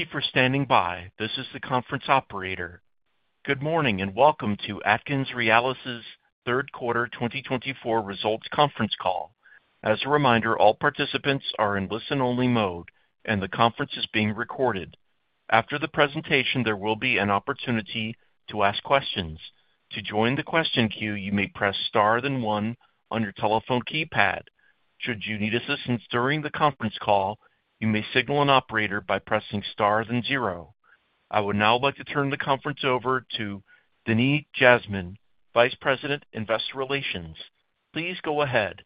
Thank you for standing by. This is the conference operator. Good morning and welcome to AtkinsRéalis' third quarter 2024 results conference call. As a reminder, all participants are in listen-only mode, and the conference is being recorded. After the presentation, there will be an opportunity to ask questions. To join the question queue, you may press star then one on your telephone keypad. Should you need assistance during the conference call, you may signal an operator by pressing star then zero. I would now like to turn the conference over to Denis Jasmin, Vice President, Investor Relations. Please go ahead.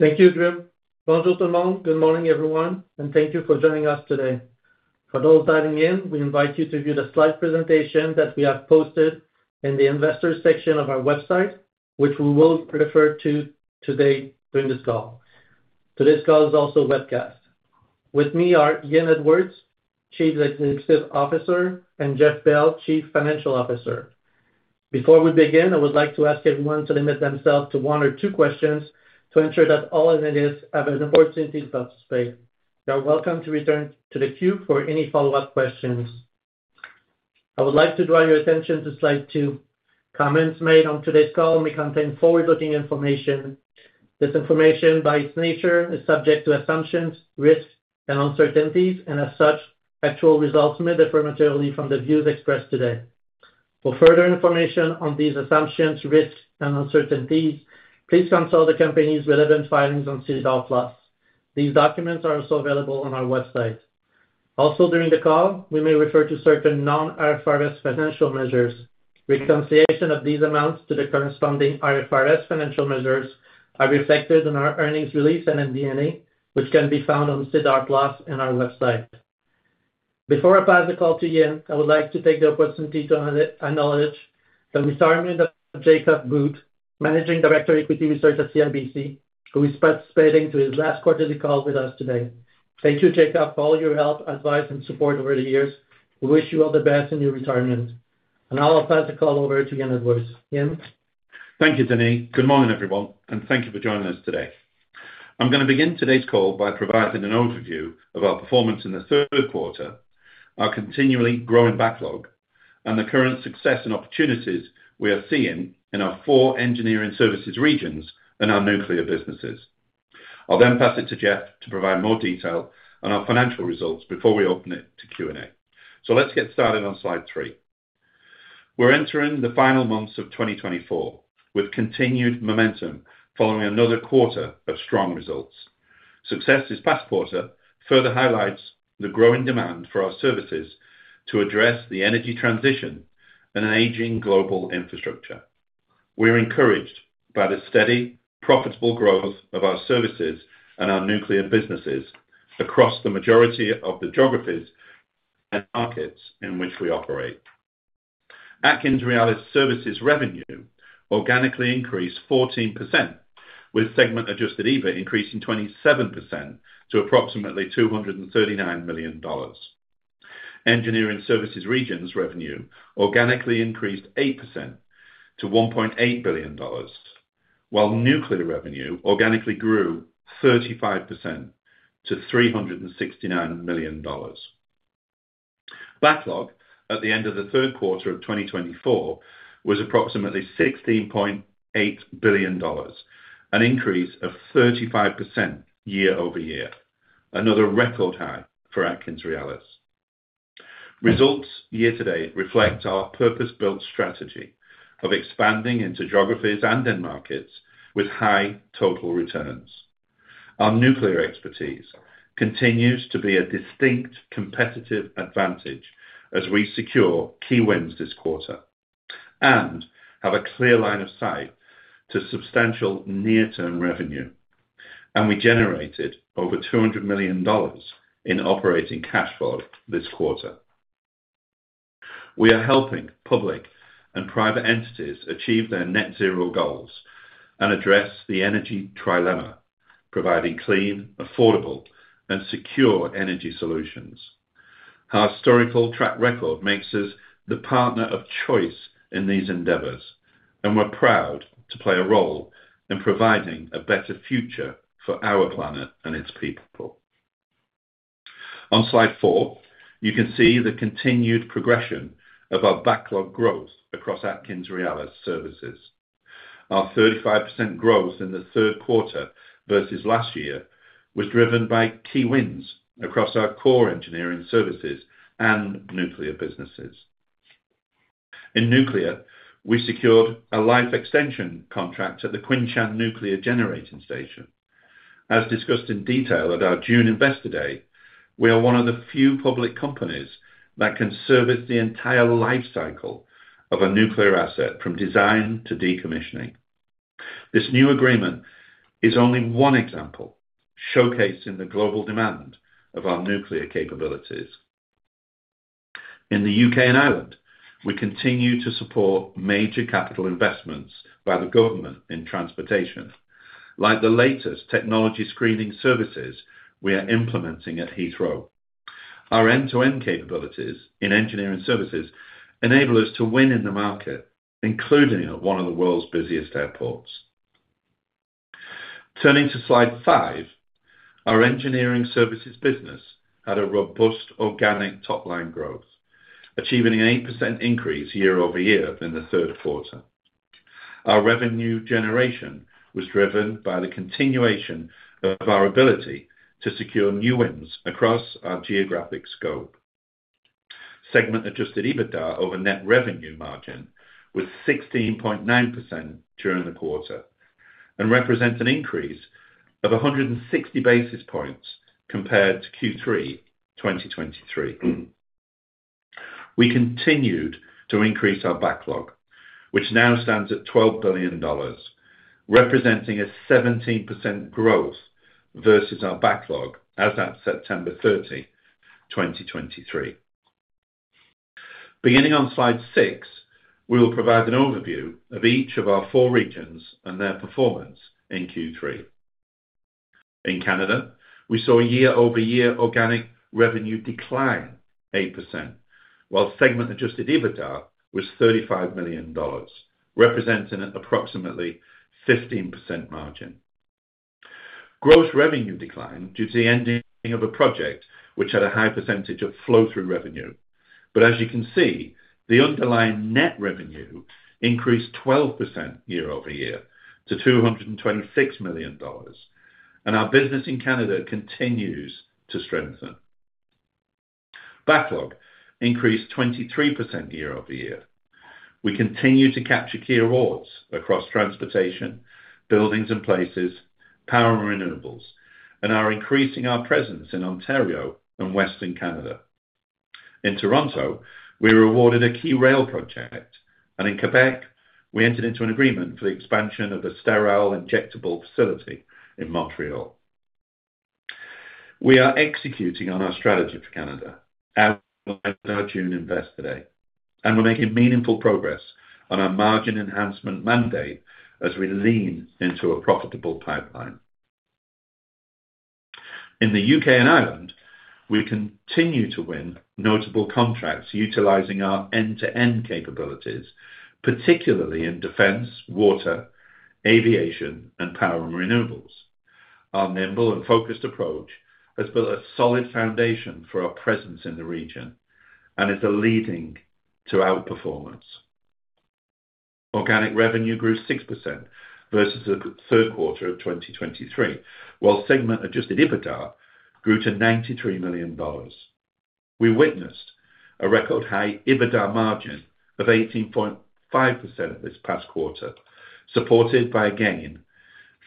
Thank you, Drew. Bonjour tout le monde. Good morning, everyone, and thank you for joining us today. For those dialing in, we invite you to view the slide presentation that we have posted in the investor section of our website, which we will refer to today during this call. Today's call is also webcast. With me are Ian Edwards, Chief Executive Officer, and Jeff Bell, Chief Financial Officer. Before we begin, I would like to ask everyone to limit themselves to one or two questions to ensure that all attendees have an opportunity to participate. You are welcome to return to the queue for any follow-up questions. I would like to draw your attention to slide two. Comments made on today's call may contain forward-looking information. This information, by its nature, is subject to assumptions, risks, and uncertainties, and as such, actual results may differ materially from the views expressed today. For further information on these assumptions, risks, and uncertainties, please consult the company's relevant filings on SEDAR+. These documents are also available on our website. Also, during the call, we may refer to certain non-IFRS financial measures. Reconciliation of these amounts to the corresponding IFRS financial measures is reflected in our earnings release and in MD&A, which can be found on SEDAR+ and our website. Before I pass the call to Ian, I would like to take the opportunity to acknowledge the retirement of Jacob Bout, Managing Director of Equity Research at CIBC, who is participating in his last quarterly call with us today. Thank you, Jacob, for all your help, advice, and support over the years. We wish you all the best in your retirement, and I'll pass the call over to Ian Edwards. Ian. Thank you, Denis. Good morning, everyone, and thank you for joining us today. I'm going to begin today's call by providing an overview of our performance in the third quarter, our continually growing backlog, and the current success and opportunities we are seeing in our four engineering services regions and our nuclear businesses. I'll then pass it to Jeff to provide more detail on our financial results before we open it to Q&A. So let's get started on slide three. We're entering the final months of 2024 with continued momentum following another quarter of strong results. Success this past quarter further highlights the growing demand for our services to address the energy transition and an aging global infrastructure. We are encouraged by the steady, profitable growth of our services and our nuclear businesses across the majority of the geographies and markets in which we operate. AtkinsRéalis' services revenue organically increased 14%, with segment-adjusted EBIT increasing 27% to approximately 239 million dollars. Engineering services regions revenue organically increased 8% to 1.8 billion dollars, while nuclear revenue organically grew 35% to 369 million dollars. Backlog at the end of the third quarter of 2024 was approximately 16.8 billion dollars, an increase of 35% year-over-year, another record high for AtkinsRéalis. Results year to date reflect our purpose-built strategy of expanding into geographies and in markets with high total returns. Our nuclear expertise continues to be a distinct competitive advantage as we secure key wins this quarter and have a clear line of sight to substantial near-term revenue, and we generated over 200 million dollars in operating cash flow this quarter. We are helping public and private entities achieve their net zero goals and address the energy trilemma, providing clean, affordable, and secure energy solutions. Our historical track record makes us the partner of choice in these endeavors, and we're proud to play a role in providing a better future for our planet and its people. On slide four, you can see the continued progression of our backlog growth across AtkinsRéalis' services. Our 35% growth in the third quarter versus last year was driven by key wins across our core engineering services and nuclear businesses. In nuclear, we secured a life extension contract at the Qinshan Nuclear Generating Station. As discussed in detail at our June Investor Day, we are one of the few public companies that can service the entire life cycle of a nuclear asset from design to decommissioning. This new agreement is only one example showcasing the global demand of our nuclear capabilities. In the U.K. and Ireland, we continue to support major capital investments by the government in transportation, like the latest technology screening services we are implementing at Heathrow. Our end-to-end capabilities in engineering services enable us to win in the market, including at one of the world's busiest airports. Turning to slide five, our engineering services business had a robust organic top-line growth, achieving an 8% increase year-over-year in the third quarter. Our revenue generation was driven by the continuation of our ability to secure new wins across our geographic scope. Segment-adjusted EBITDA over net revenue margin was 16.9% during the quarter and represents an increase of 160 basis points compared to Q3 2023. We continued to increase our backlog, which now stands at 12 billion dollars, representing a 17% growth versus our backlog as of September 30, 2023. Beginning on slide six, we will provide an overview of each of our four regions and their performance in Q3. In Canada, we saw year-over-year organic revenue decline 8%, while segment-adjusted EBITDA was 35 million dollars, representing an approximately 15% margin. Gross revenue declined due to the ending of a project which had a high percentage of flow-through revenue, but as you can see, the underlying net revenue increased 12% year-over-year to 226 million dollars, and our business in Canada continues to strengthen. Backlog increased 23% year-over-year. We continue to capture key awards across transportation, buildings and places, power and renewables, and are increasing our presence in Ontario and Western Canada. In Toronto, we were awarded a key rail project, and in Quebec, we entered into an agreement for the expansion of a sterile injectable facility in Montreal. We are executing on our strategy for Canada as of our June Investor Day, and we're making meaningful progress on our margin enhancement mandate as we lean into a profitable pipeline. In the U.K. and Ireland, we continue to win notable contracts utilizing our end-to-end capabilities, particularly in defense, water, aviation, and power and renewables. Our nimble and focused approach has built a solid foundation for our presence in the region and is leading to our performance. Organic revenue grew 6% versus the third quarter of 2023, while segment-adjusted EBITDA grew to 93 million dollars. We witnessed a record high EBITDA margin of 18.5% this past quarter, supported by a gain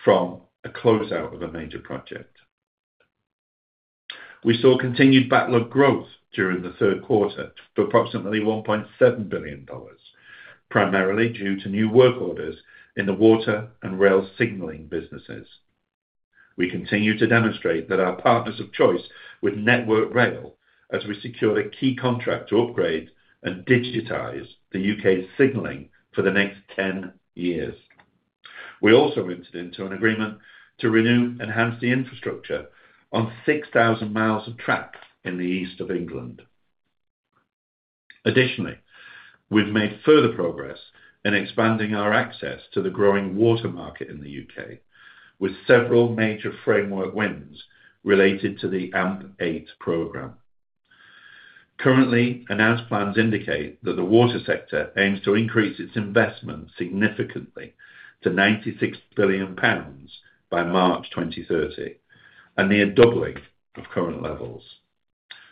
from a closeout of a major project. We saw continued backlog growth during the third quarter for approximately 1.7 billion dollars, primarily due to new work orders in the water and rail signaling businesses. We continue to demonstrate that our partners of choice with Network Rail as we secure a key contract to upgrade and digitize the U.K.'s signaling for the next 10 years. We also entered into an agreement to renew and enhance the infrastructure on 6,000 mi of track in the East of England. Additionally, we've made further progress in expanding our access to the growing water market in the U.K. with several major framework wins related to the AMP8 program. Currently, announced plans indicate that the water sector aims to increase its investment significantly to 96 billion pounds by March 2030 and near doubling of current levels.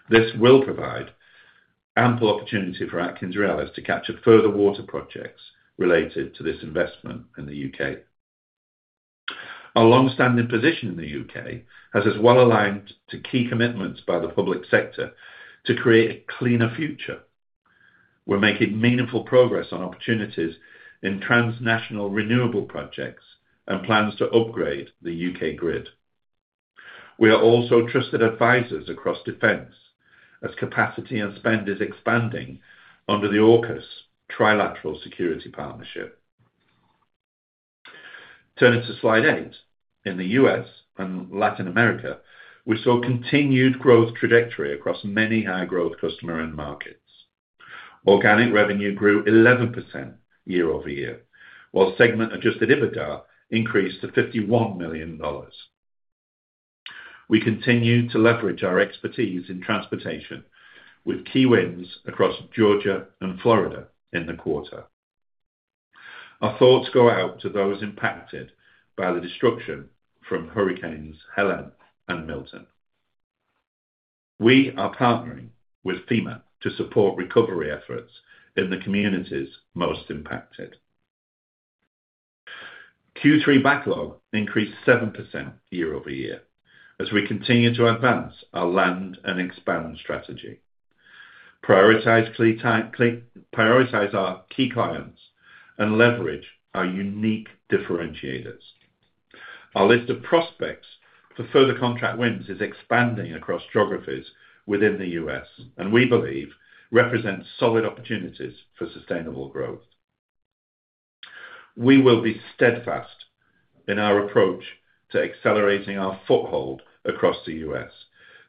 This will provide ample opportunity for AtkinsRéalis to capture further water projects related to this investment in the U.K. Our long-standing position in the U.K. has as well aligned to key commitments by the public sector to create a cleaner future. We're making meaningful progress on opportunities in transnational renewable projects and plans to upgrade the U.K. grid. We are also trusted advisors across defense as capacity and spend is expanding under the AUKUS trilateral security partnership. Turning to slide eight, in the U.S. and Latin America, we saw continued growth trajectory across many high-growth customer end markets. Organic revenue grew 11% year-over-year, while segment-adjusted EBITDA increased to 51 million dollars. We continue to leverage our expertise in transportation with key wins across Georgia and Florida in the quarter. Our thoughts go out to those impacted by the destruction from hurricanes Helene and Milton. We are partnering with FEMA to support recovery efforts in the communities most impacted. Q3 backlog increased 7% year-over-year as we continue to advance our land and expand strategy, prioritize our key clients, and leverage our unique differentiators. Our list of prospects for further contract wins is expanding across geographies within the U.S., and we believe represents solid opportunities for sustainable growth. We will be steadfast in our approach to accelerating our foothold across the U.S.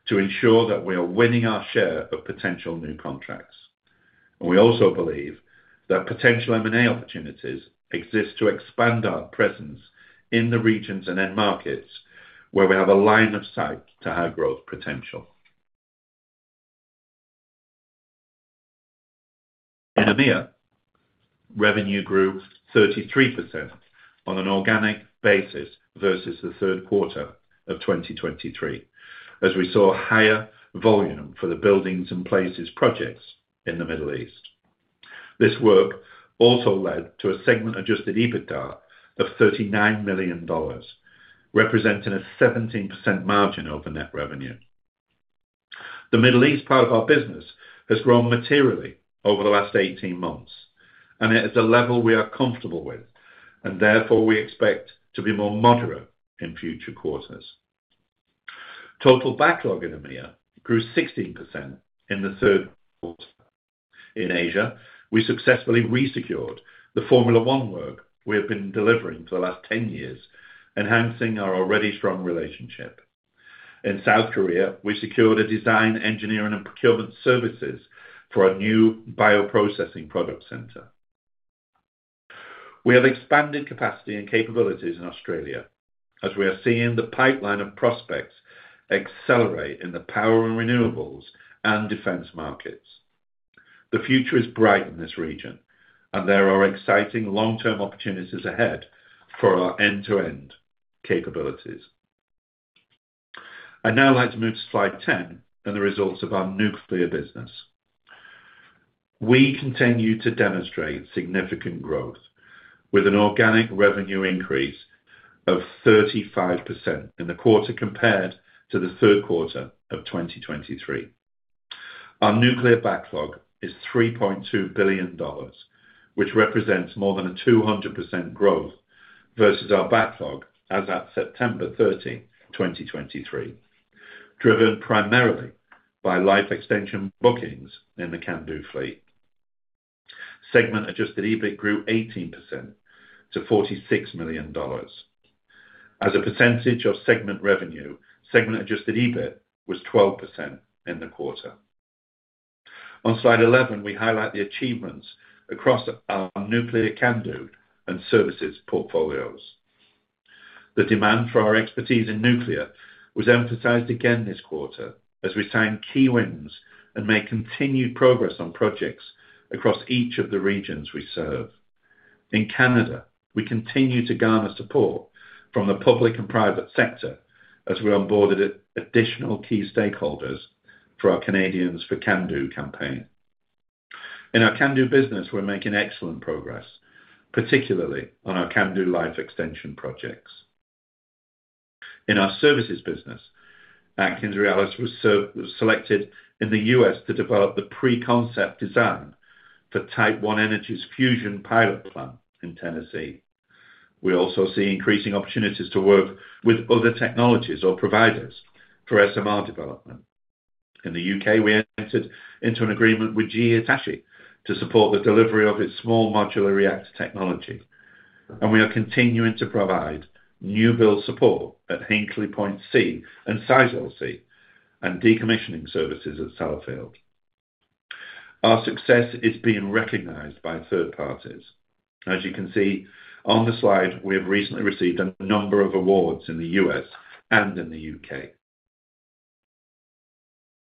to ensure that we are winning our share of potential new contracts, and we also believe that potential M&A opportunities exist to expand our presence in the regions and end markets where we have a line of sight to high growth potential. In EMEA, revenue grew 33% on an organic basis versus the third quarter of 2023, as we saw higher volume for the buildings and places projects in the Middle East. This work also led to a segment-adjusted EBITDA of 39 million dollars, representing a 17% margin over net revenue. The Middle East part of our business has grown materially over the last 18 months, and it is a level we are comfortable with, and therefore we expect to be more moderate in future quarters. Total backlog in EMEA grew 16% in the third quarter. In Asia, we successfully re-secured the Formula One work we have been delivering for the last 10 years, enhancing our already strong relationship. In South Korea, we secured a design, engineering, and procurement services for a new bioprocessing center. We have expanded capacity and capabilities in Australia as we are seeing the pipeline of prospects accelerate in the power and renewables and defense markets. The future is bright in this region, and there are exciting long-term opportunities ahead for our end-to-end capabilities. I'd now like to move to slide 10 and the results of our nuclear business. We continue to demonstrate significant growth with an organic revenue increase of 35% in the quarter compared to the third quarter of 2023. Our nuclear backlog is 3.2 billion dollars, which represents more than a 200% growth versus our backlog as of September 30, 2023, driven primarily by life extension bookings in the CANDU fleet. Segment-adjusted EBIT grew 18% to 46 million dollars. As a percentage of segment revenue, segment-adjusted EBIT was 12% in the quarter. On slide 11, we highlight the achievements across our nuclear CANDU and services portfolios. The demand for our expertise in nuclear was emphasized again this quarter as we signed key wins and made continued progress on projects across each of the regions we serve. In Canada, we continue to garner support from the public and private sector as we onboarded additional key stakeholders for our Canadians for CANDU campaign. In our CANDU business, we're making excellent progress, particularly on our CANDU life extension projects. In our services business, AtkinsRéalis was selected in the U.S. to develop the pre-concept design for Type One Energy's fusion pilot plant in Tennessee. We also see increasing opportunities to work with other technologies or providers for SMR development. In the U.K., we entered into an agreement with GE Hitachi to support the delivery of its small modular reactor technology, and we are continuing to provide new build support at Hinkley Point C and Sizewell C and decommissioning services at Sellafield. Our success is being recognized by third parties. As you can see on the slide, we have recently received a number of awards in the U.S. and in the U.K.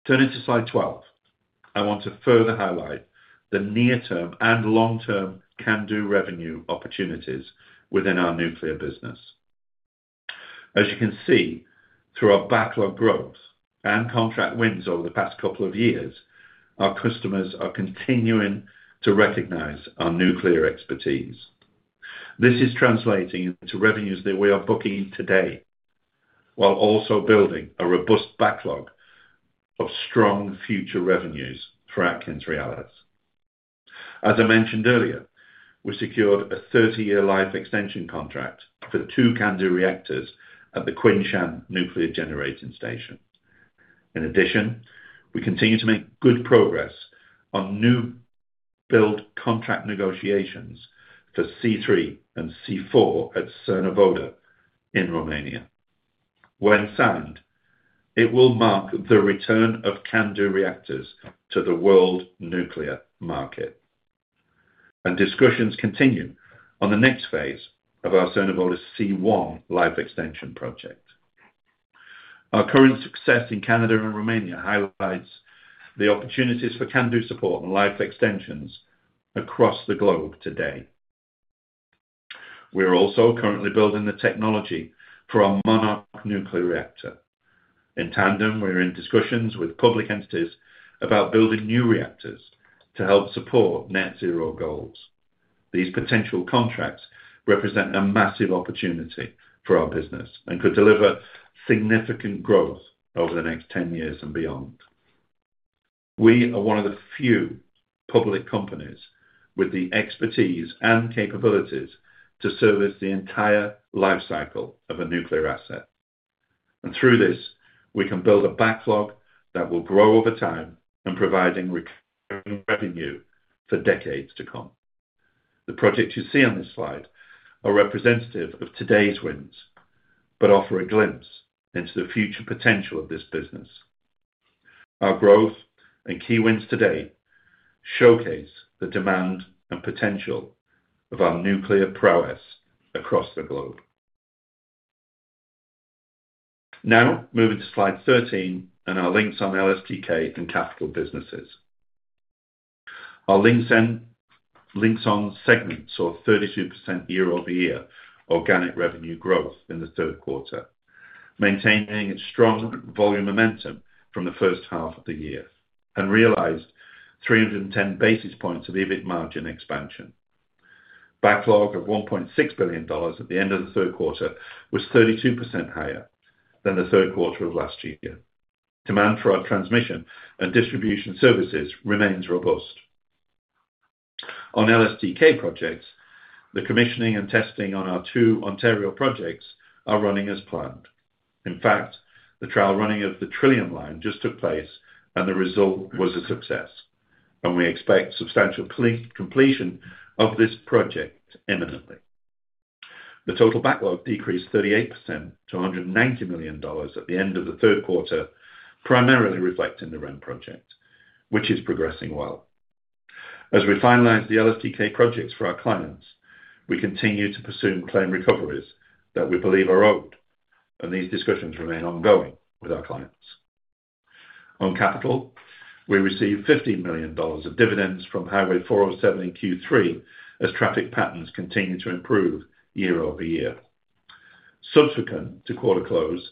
Turning to slide 12, I want to further highlight the near-term and long-term CANDU revenue opportunities within our nuclear business. As you can see, through our backlog growth and contract wins over the past couple of years, our customers are continuing to recognize our nuclear expertise. This is translating into revenues that we are booking today, while also building a robust backlog of strong future revenues for AtkinsRéalis. As I mentioned earlier, we secured a 30-year life extension contract for two CANDU reactors at the Qinshan Nuclear Generating Station. In addition, we continue to make good progress on new build contract negotiations for C3 and C4 at Cernavodă in Romania. When signed, it will mark the return of CANDU reactors to the world nuclear market, and discussions continue on the next phase of our Cernavodă C1 life extension project. Our current success in Canada and Romania highlights the opportunities for CANDU support and life extensions across the globe today. We are also currently building the technology for our Monarch nuclear reactor. In tandem, we are in discussions with public entities about building new reactors to help support Net Zero goals. These potential contracts represent a massive opportunity for our business and could deliver significant growth over the next 10 years and beyond. We are one of the few public companies with the expertise and capabilities to service the entire life cycle of a nuclear asset, and through this, we can build a backlog that will grow over time and provide in recurring revenue for decades to come. The projects you see on this slide are representative of today's wins but offer a glimpse into the future potential of this business. Our growth and key wins today showcase the demand and potential of our nuclear prowess across the globe. Now, moving to slide 13 and our Linxon LSTK and capital businesses. Our Linxon segment saw 32% year-over-year organic revenue growth in the third quarter, maintaining a strong volume momentum from the first half of the year, and realized 310 basis points of EBIT margin expansion. Backlog of 1.6 billion dollars at the end of the third quarter was 32% higher than the third quarter of last year. Demand for our transmission and distribution services remains robust. On LSTK projects, the commissioning and testing on our two Ontario projects are running as planned. In fact, the trial running of the Trillium Line just took place, and the result was a success, and we expect substantial completion of this project imminently. The total backlog decreased 38% to 190 million dollars at the end of the third quarter, primarily reflecting the REM project, which is progressing well. As we finalize the LSTK projects for our clients, we continue to pursue claim recoveries that we believe are owed, and these discussions remain ongoing with our clients. On capital, we received 15 million dollars of dividends from Highway 407 in Q3 as traffic patterns continue to improve year-over-year. Subsequent to quarter close,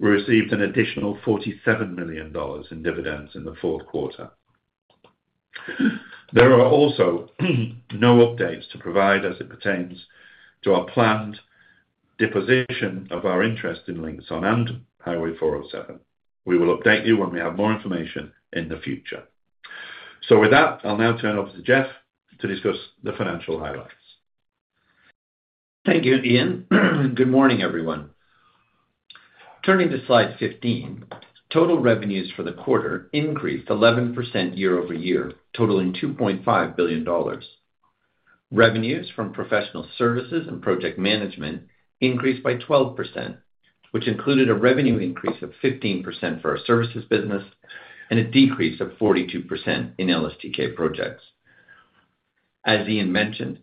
we received an additional 47 million dollars in dividends in the fourth quarter. There are also no updates to provide as it pertains to our planned disposition of our interest in Linxon and Highway 407. We will update you when we have more information in the future. So with that, I'll now turn over to Jeff to discuss the financial highlights. Thank you, Ian. Good morning, everyone. Turning to slide 15, total revenues for the quarter increased 11% year-over-year, totaling 2.5 billion dollars. Revenues from professional services and project management increased by 12%, which included a revenue increase of 15% for our services business and a decrease of 42% in LSTK projects. As Ian mentioned,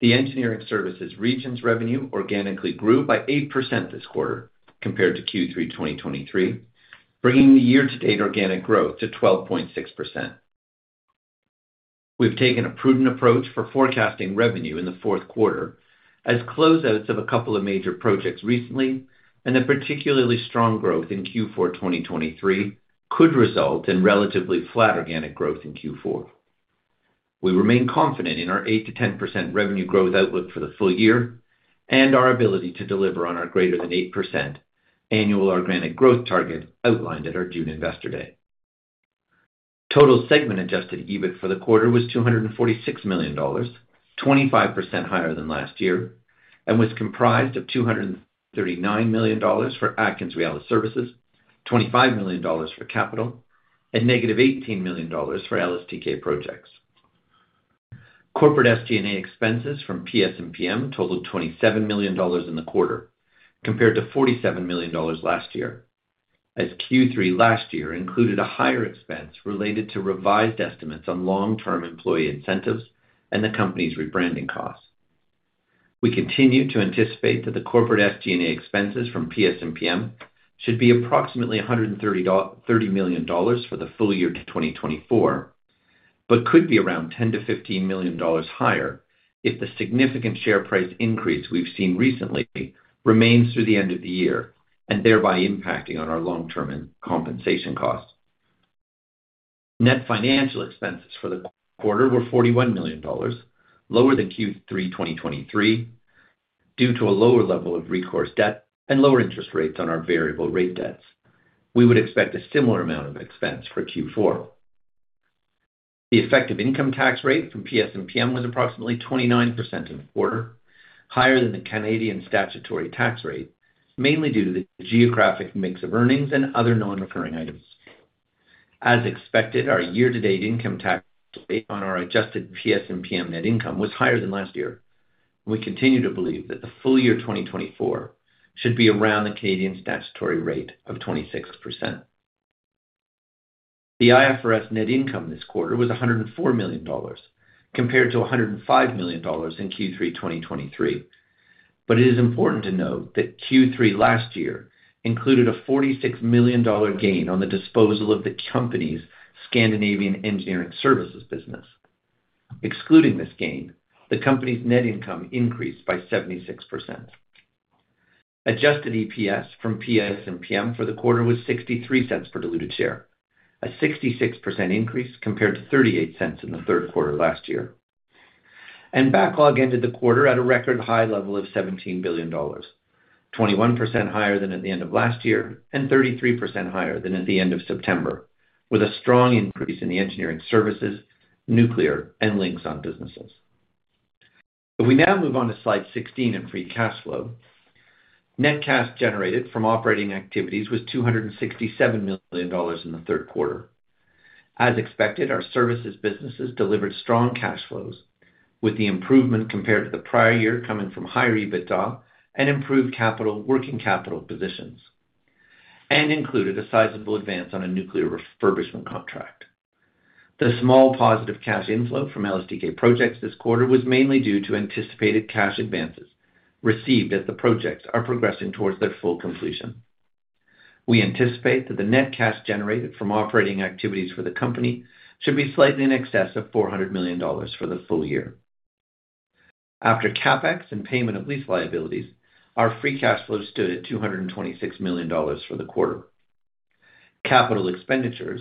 the engineering services region's revenue organically grew by 8% this quarter compared to Q3 2023, bringing the year-to-date organic growth to 12.6%. We've taken a prudent approach for forecasting revenue in the fourth quarter as closeouts of a couple of major projects recently, and a particularly strong growth in Q4 2023 could result in relatively flat organic growth in Q4. We remain confident in our 8%-10% revenue growth outlook for the full year and our ability to deliver on our greater than 8% annual organic growth target outlined at our June investor day. Total segment-adjusted EBIT for the quarter was 246 million dollars, 25% higher than last year, and was comprised of 239 million dollars for AtkinsRéalis Services, 25 million dollars for capital, and negative 18 million dollars for LSTK projects. Corporate SG&A expenses from PS&PM totaled 27 million dollars in the quarter compared to 47 million dollars last year, as Q3 last year included a higher expense related to revised estimates on long-term employee incentives and the company's rebranding costs. We continue to anticipate that the corporate SG&A expenses from PS&PM should be approximately 130 million dollars for the full year to 2024, but could be around 10 million to 15 million dollars higher if the significant share price increase we've seen recently remains through the end of the year and thereby impacting on our long-term compensation costs. Net financial expenses for the quarter were 41 million dollars, lower than Q3 2023 due to a lower level of recourse debt and lower interest rates on our variable rate debts. We would expect a similar amount of expense for Q4. The effective income tax rate from PS&PM was approximately 29% in the quarter, higher than the Canadian statutory tax rate, mainly due to the geographic mix of earnings and other non-recurring items. As expected, our year-to-date income tax rate on our adjusted PS&PM net income was higher than last year, and we continue to believe that the full year 2024 should be around the Canadian statutory rate of 26%. The IFRS net income this quarter was 104 million dollars compared to 105 million dollars in Q3 2023, but it is important to note that Q3 last year included a 46 million dollar gain on the disposal of the company's Scandinavian Engineering Services business. Excluding this gain, the company's net income increased by 76%. Adjusted EPS from PS&PM for the quarter was 0.63 per diluted share, a 66% increase compared to 0.38 in the third quarter last year. And backlog ended the quarter at a record high level of 17 billion dollars, 21% higher than at the end of last year and 33% higher than at the end of September, with a strong increase in the engineering services, nuclear, and Linxon businesses. If we now move on to slide 16 and free cash flow, net cash generated from operating activities was 267 million dollars in the third quarter. As expected, our services businesses delivered strong cash flows with the improvement compared to the prior year coming from higher EBITDA and improved capital, working capital positions, and included a sizable advance on a nuclear refurbishment contract. The small positive cash inflow from LSTK projects this quarter was mainly due to anticipated cash advances received as the projects are progressing towards their full completion. We anticipate that the net cash generated from operating activities for the company should be slightly in excess of 400 million dollars for the full year. After CapEx and payment of lease liabilities, our free cash flow stood at 226 million dollars for the quarter. Capital expenditures,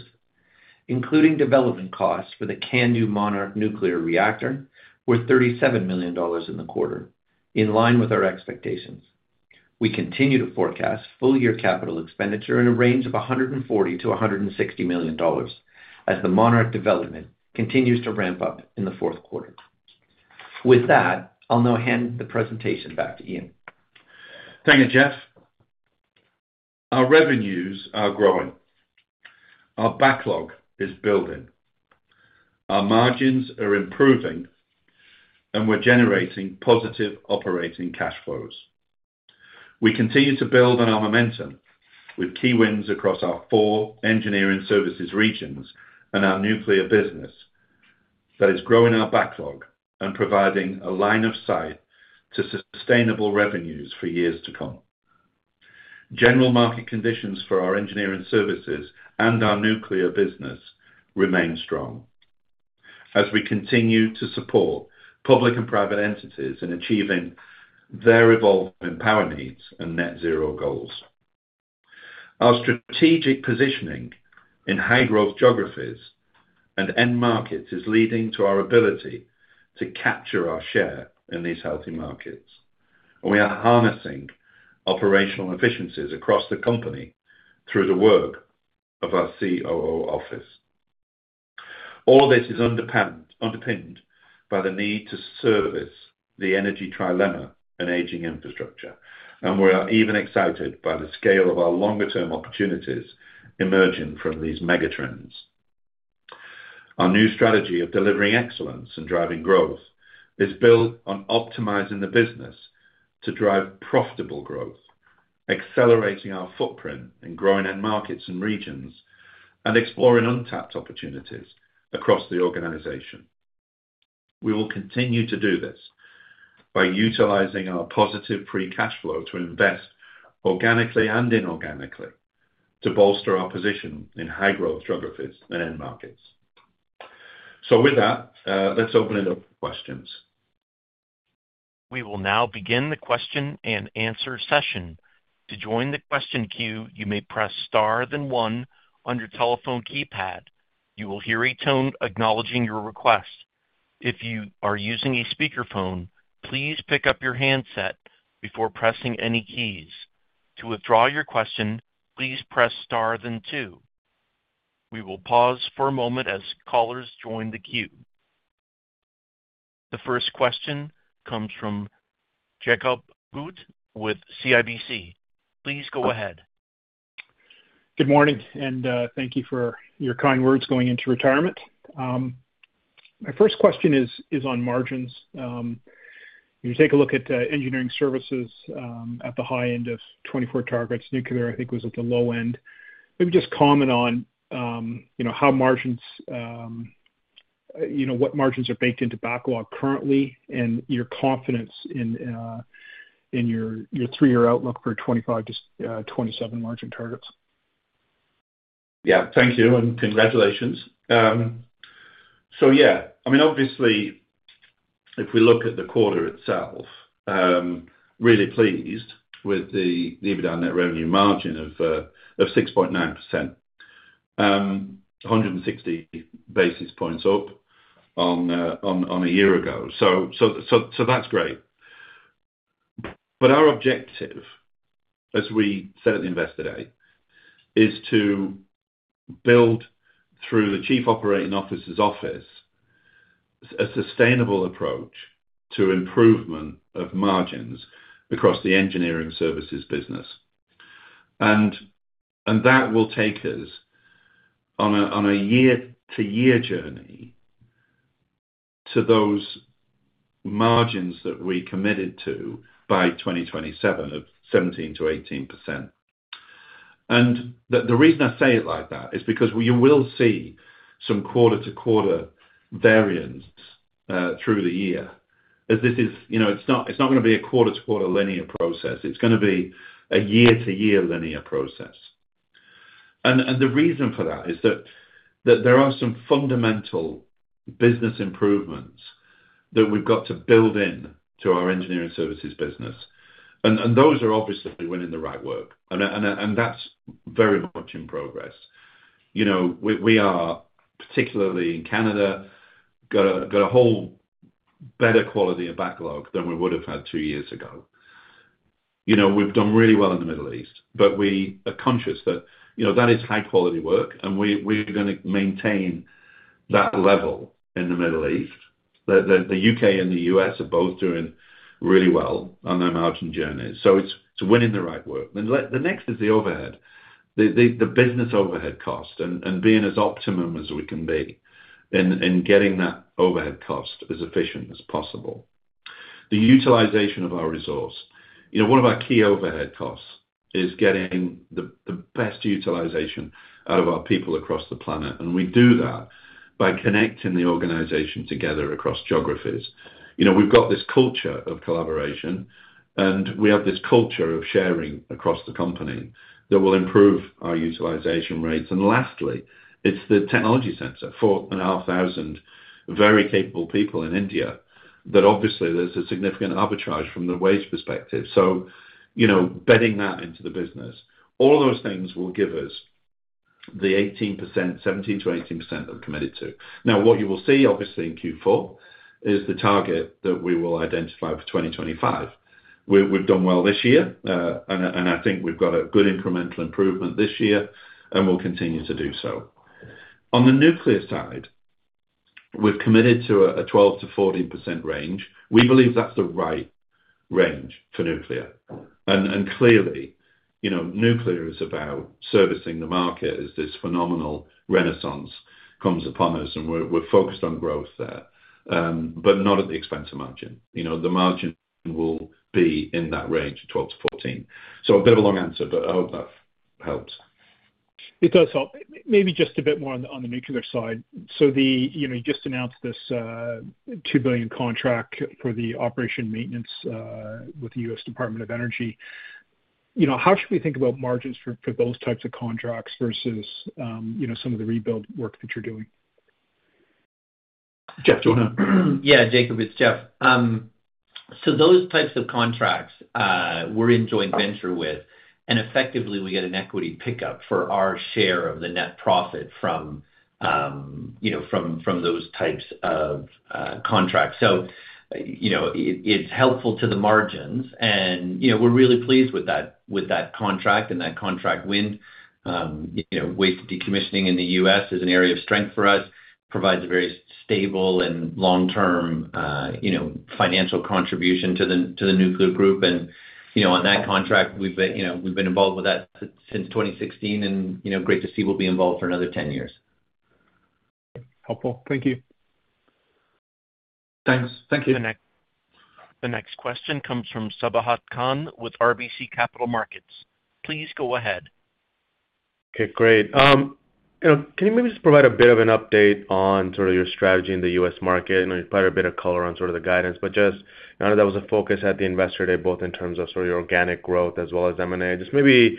including development costs for the CANDU Monarch nuclear reactor, were 37 million dollars in the quarter, in line with our expectations. We continue to forecast full year capital expenditure in a range of 140 million-160 million dollars as the Monarch development continues to ramp up in the fourth quarter. With that, I'll now hand the presentation back to Ian. Thank you, Jeff. Our revenues are growing. Our backlog is building. Our margins are improving, and we're generating positive operating cash flows. We continue to build on our momentum with key wins across our four engineering services regions and our nuclear business that is growing our backlog and providing a line of sight to sustainable revenues for years to come. General market conditions for our engineering services and our nuclear business remain strong as we continue to support public and private entities in achieving their evolving power needs and Net Zero goals. Our strategic positioning in high-growth geographies and end markets is leading to our ability to capture our share in these healthy markets, and we are harnessing operational efficiencies across the company through the work of our COO office. All of this is underpinned by the need to service the energy trilemma and aging infrastructure, and we are even excited by the scale of our longer-term opportunities emerging from these megatrends. Our new strategy of delivering excellence and driving growth is built on optimizing the business to drive profitable growth, accelerating our footprint in growing end markets and regions, and exploring untapped opportunities across the organization. We will continue to do this by utilizing our positive free cash flow to invest organically and inorganically to bolster our position in high-growth geographies and end markets. So with that, let's open it up for questions. We will now begin the question and answer session. To join the question queue, you may press star then one on your telephone keypad. You will hear a tone acknowledging your request. If you are using a speakerphone, please pick up your handset before pressing any keys. To withdraw your question, please press star then two. We will pause for a moment as callers join the queue. The first question comes from Jacob Bout with CIBC. Please go ahead. Good morning, and thank you for your kind words going into retirement. My first question is on margins. You take a look at engineering services at the high end of 24 targets. Nuclear, I think, was at the low end. Maybe just comment on how margins, what margins are baked into backlog currently and your confidence in your three-year outlook for 25 to 27 margin targets. Yeah, thank you, and congratulations. So yeah, I mean, obviously, if we look at the quarter itself, really pleased with the EBITDA net revenue margin of 6.9%, 160 basis points up on a year ago. That's great. Our objective, as we said at the investor day, is to build through the Chief Operating Officer's Office a sustainable approach to improvement of margins across the engineering services business. That will take us on a year-to-year journey to those margins that we committed to by 2027 of 17%-18%. The reason I say it like that is because you will see some quarter-to-quarter variance through the year, as this is, it's not going to be a quarter-to-quarter linear process. It's going to be a year-to-year linear process. The reason for that is that there are some fundamental business improvements that we've got to build in to our engineering services business. Those are obviously winning the right work, and that's very much in progress. We are, particularly in Canada, got a whole better quality of backlog than we would have had two years ago. We've done really well in the Middle East, but we are conscious that that is high-quality work, and we're going to maintain that level in the Middle East. The U.K. and the U.S. are both doing really well on their margin journeys. So it's winning the right work. The next is the overhead, the business overhead cost, and being as optimum as we can be in getting that overhead cost as efficient as possible. The utilization of our resource. One of our key overhead costs is getting the best utilization out of our people across the planet, and we do that by connecting the organization together across geographies. We've got this culture of collaboration, and we have this culture of sharing across the company that will improve our utilization rates. And lastly, it's the technology center, 4,500 very capable people in India that obviously there's a significant arbitrage from the wage perspective. So betting that into the business, all of those things will give us the 18%, 17%-18% that we've committed to. Now, what you will see, obviously, in Q4 is the target that we will identify for 2025. We've done well this year, and I think we've got a good incremental improvement this year, and we'll continue to do so. On the nuclear side, we've committed to a 12%-14% range. We believe that's the right range for nuclear. And clearly, nuclear is about servicing the market as this phenomenal renaissance comes upon us, and we're focused on growth there, but not at the expense of margin. The margin will be in that range, 12%-14%. So a bit of a long answer, but I hope that helps. It does help. Maybe just a bit more on the nuclear side. So you just announced this $2 billion contract for operations maintenance with the U.S. Department of Energy. How should we think about margins for those types of contracts versus some of the rebuild work that you're doing? Jeff, do you want to? Yeah, Jacob, it's Jeff. So those types of contracts we're in joint venture with, and effectively, we get an equity pickup for our share of the net profit from those types of contracts. So it's helpful to the margins, and we're really pleased with that contract and that contract win. Waste decommissioning in the U.S. is an area of strength for us. It provides a very stable and long-term financial contribution to the nuclear group. And on that contract, we've been involved with that since 2016, and great to see we'll be involved for another 10 years. Okay. Helpful. Thank you. Thanks. Thank you. The next question comes from Sabahat Khan with RBC Capital Markets. Please go ahead. Okay. Great. Can you maybe just provide a bit of an update on sort of your strategy in the U.S. market? You've played a bit of color on sort of the guidance, but just that was a focus at the investor day, both in terms of sort of your organic growth as well as M&A. Just maybe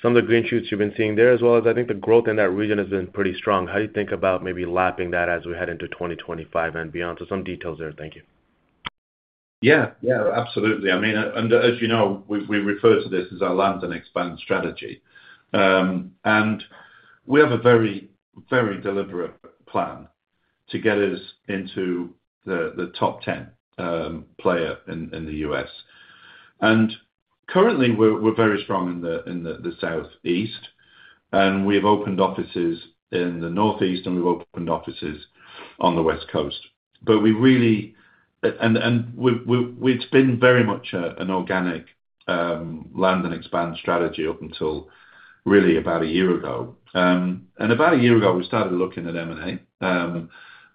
some of the green shoots you've been seeing there, as well as I think the growth in that region has been pretty strong. How do you think about maybe lapping that as we head into 2025 and beyond? So some details there. Thank you. Yeah. Yeah, absolutely. I mean, as you know, we refer to this as our land and expand strategy. And we have a very, very deliberate plan to get us into the top 10 player in the U.S. And currently, we're very strong in the southeast, and we've opened offices in the northeast, and we've opened offices on the west coast. But we really and it's been very much an organic land and expand strategy up until really about a year ago. And about a year ago, we started looking at M&A,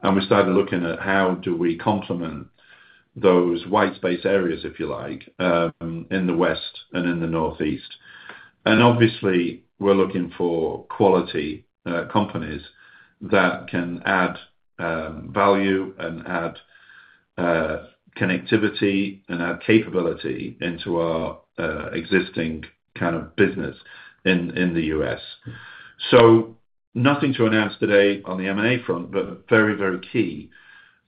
and we started looking at how do we complement those white space areas, if you like, in the west and in the northeast. And obviously, we're looking for quality companies that can add value and add connectivity and add capability into our existing kind of business in the U.S. Nothing to announce today on the M&A front, but very, very key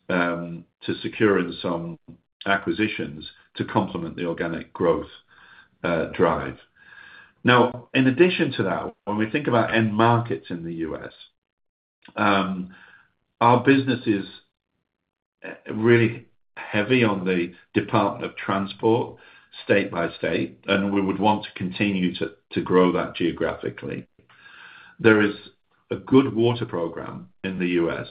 to securing some acquisitions to complement the organic growth drive. Now, in addition to that, when we think about end markets in the U.S., our business is really heavy on the Department of Transportation state by state, and we would want to continue to grow that geographically. There is a good water program in the U.S.,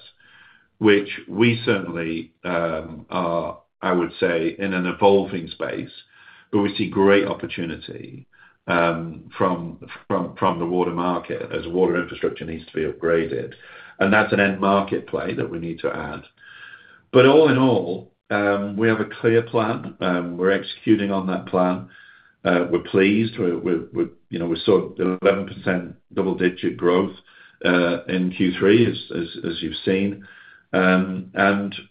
which we certainly are, I would say, in an evolving space, but we see great opportunity from the water market as water infrastructure needs to be upgraded. That's an end market play that we need to add. All in all, we have a clear plan. We're executing on that plan. We're pleased. We saw 11% double-digit growth in Q3, as you've seen.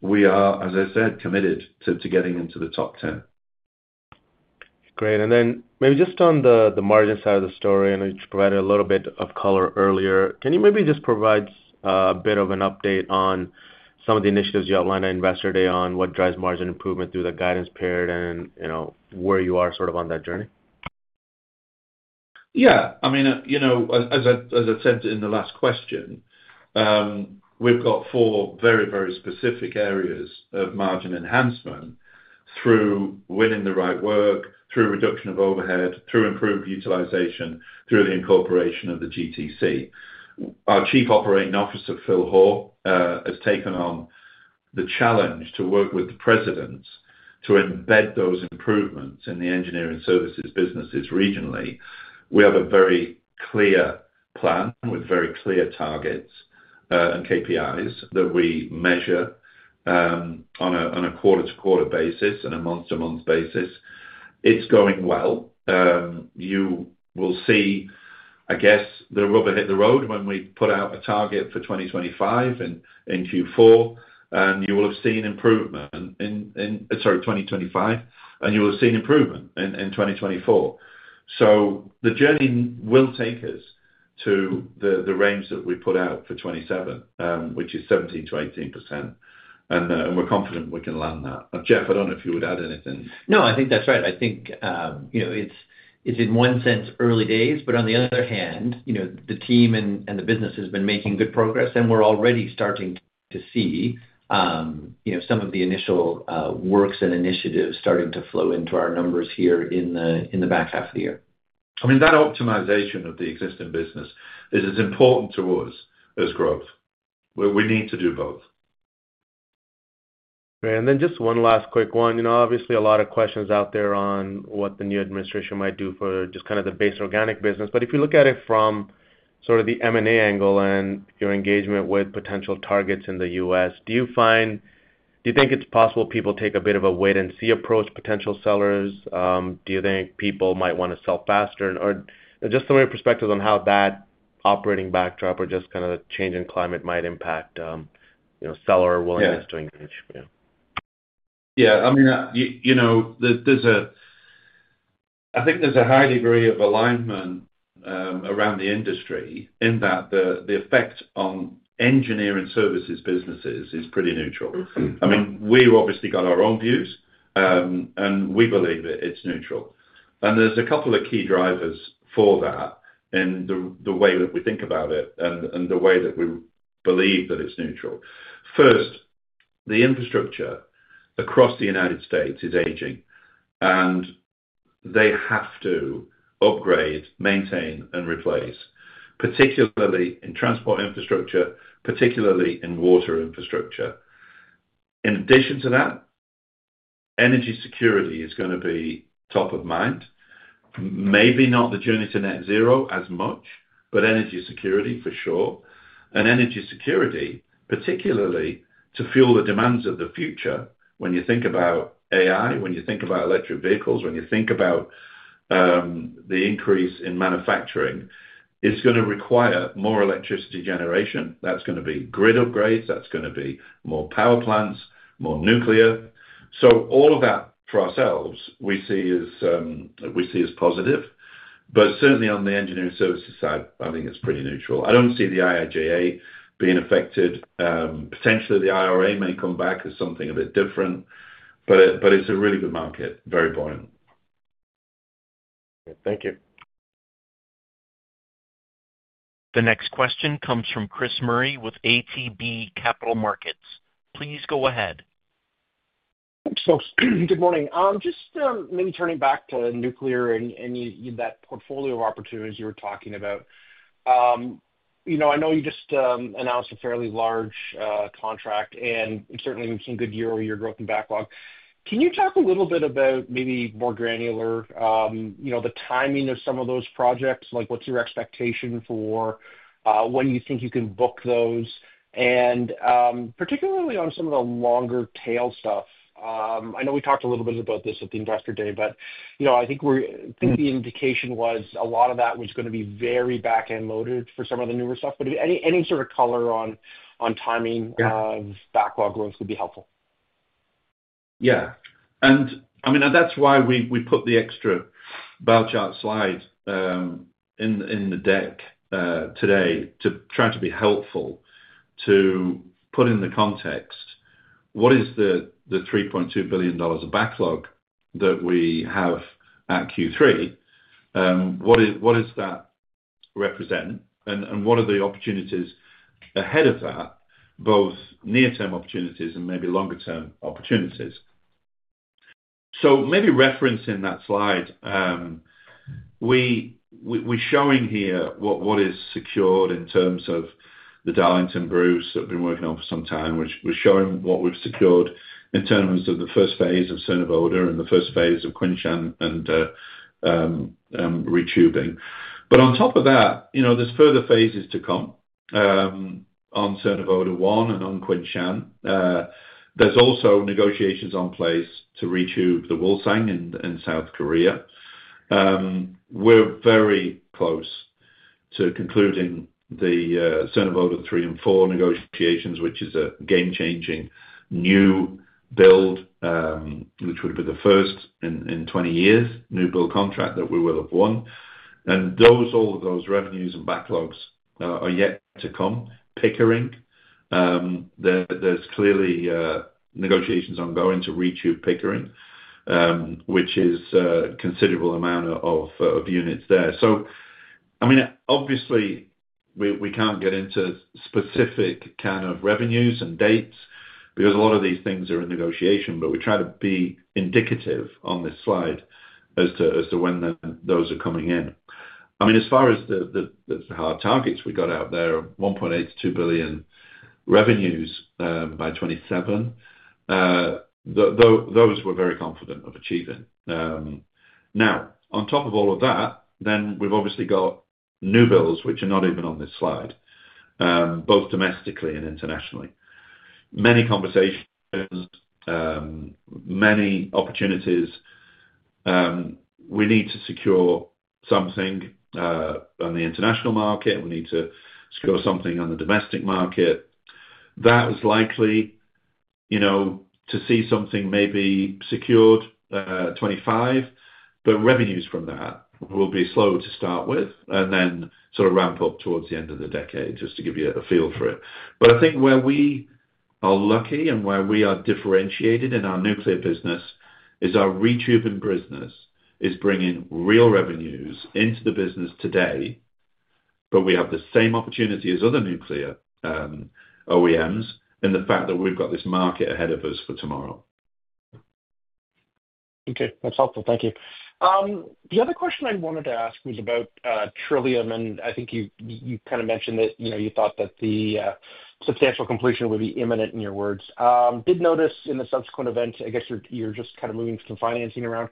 We are, as I said, committed to getting into the top 10. Great. And then maybe just on the margin side of the story, I know you provided a little bit of color earlier. Can you maybe just provide a bit of an update on some of the initiatives you outlined on Investor Day on what drives margin improvement through the guidance period and where you are sort of on that journey? Yeah. I mean, as I said in the last question, we've got four very, very specific areas of margin enhancement through winning the right work, through reduction of overhead, through improved utilization, through the incorporation of the GTC. Our Chief Operating Officer, Phil Hoare, has taken on the challenge to work with the presidents to embed those improvements in the engineering services businesses regionally. We have a very clear plan with very clear targets and KPIs that we measure on a quarter-to-quarter basis and a month-to-month basis. It's going well. You will see, I guess, the rubber hit the road when we put out a target for 2025 in Q4, and you will have seen improvement in 2024. So the journey will take us to the range that we put out for 2027, which is 17%-18%, and we're confident we can land that. Jeff, I don't know if you would add anything. No, I think that's right. I think it's, in one sense, early days, but on the other hand, the team and the business have been making good progress, and we're already starting to see some of the initial works and initiatives starting to flow into our numbers here in the back half of the year. I mean, that optimization of the existing business is as important to us as growth. We need to do both. And then just one last quick one. Obviously, a lot of questions out there on what the new administration might do for just kind of the base organic business. But if you look at it from sort of the M&A angle and your engagement with potential targets in the U.S., do you think it's possible people take a bit of a wait-and-see approach? Potential sellers, do you think people might want to sell faster? Or just some of your perspectives on how that operating backdrop or just kind of the changing climate might impact seller willingness to engage? Yeah. Yeah. I mean, I think there's a high degree of alignment around the industry in that the effect on engineering services businesses is pretty neutral. I mean, we've obviously got our own views, and we believe it's neutral. And there's a couple of key drivers for that in the way that we think about it and the way that we believe that it's neutral. First, the infrastructure across the United States is aging, and they have to upgrade, maintain, and replace, particularly in transport infrastructure, particularly in water infrastructure. In addition to that, energy security is going to be top of mind. Maybe not the journey to net zero as much, but energy security for sure. And energy security, particularly to fuel the demands of the future, when you think about AI, when you think about electric vehicles, when you think about the increase in manufacturing, it's going to require more electricity generation. That's going to be grid upgrades. That's going to be more power plants, more nuclear. So all of that for ourselves, we see as positive. But certainly, on the engineering services side, I think it's pretty neutral. I don't see the IIJA being affected. Potentially, the IRA may come back as something a bit different, but it's a really good market, very buoyant. Thank you. The next question comes from Chris Murray with ATB Capital Markets. Please go ahead. Good morning. Just maybe turning back to nuclear and that portfolio of opportunities you were talking about. I know you just announced a fairly large contract, and certainly, some good year-over-year growth and backlog. Can you talk a little bit about maybe more granular the timing of some of those projects? What's your expectation for when you think you can book those? And particularly on some of the longer-tail stuff, I know we talked a little bit about this at the investor day, but I think the indication was a lot of that was going to be very back-end loaded for some of the newer stuff. But any sort of color on timing of backlog growth would be helpful. Yeah. And I mean, that's why we put the extra bell chart slide in the deck today to try to be helpful to put in the context. What is the 3.2 billion dollars of backlog that we have at Q3? What does that represent? And what are the opportunities ahead of that, both near-term opportunities and maybe longer-term opportunities? Maybe referencing that slide, we're showing here what is secured in terms of the Darlington, Bruce that we've been working on for some time, which was showing what we've secured in terms of the first phase of Cernavodă and the first phase of Qinshan and retubing. On top of that, there's further phases to come on Cernavodă 1 and on Qinshan. There's also negotiations on plans to retube the Wolsong in South Korea. We're very close to concluding the Cernavodă 3 and 4 negotiations, which is a game-changing new build, which would be the first in 20 years, new build contract that we will have won. All of those revenues and backlogs are yet to come. Pickering. There's clearly negotiations ongoing to retube Pickering, which is a considerable amount of units there. I mean, obviously, we can't get into specific kind of revenues and dates because a lot of these things are in negotiation, but we try to be indicative on this slide as to when those are coming in. I mean, as far as the hard targets we got out there, 1.8 billion-2 billion revenues by 2027, those we're very confident of achieving. Now, on top of all of that, then we've obviously got new builds, which are not even on this slide, both domestically and internationally. Many conversations, many opportunities. We need to secure something on the international market. We need to secure something on the domestic market. That was likely to see something maybe secured 2025, but revenues from that will be slow to start with and then sort of ramp up towards the end of the decade just to give you a feel for it. But I think where we are lucky and where we are differentiated in our nuclear business is our retubing business is bringing real revenues into the business today, but we have the same opportunity as other nuclear OEMs in the fact that we've got this market ahead of us for tomorrow. Okay. That's helpful. Thank you. The other question I wanted to ask was about Trillium, and I think you kind of mentioned that you thought that the substantial completion would be imminent in your words. Did notice in the subsequent event, I guess you're just kind of moving some financing around.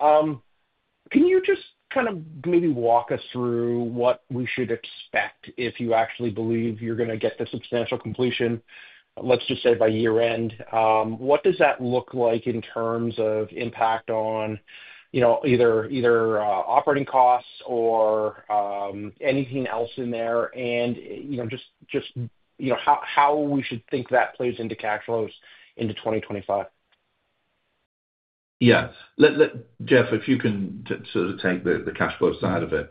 Can you just kind of maybe walk us through what we should expect if you actually believe you're going to get the substantial completion, let's just say by year-end? What does that look like in terms of impact on either operating costs or anything else in there? And just how we should think that plays into cash flows into 2025? Yeah. Jeff, if you can sort of take the cash flow side of it.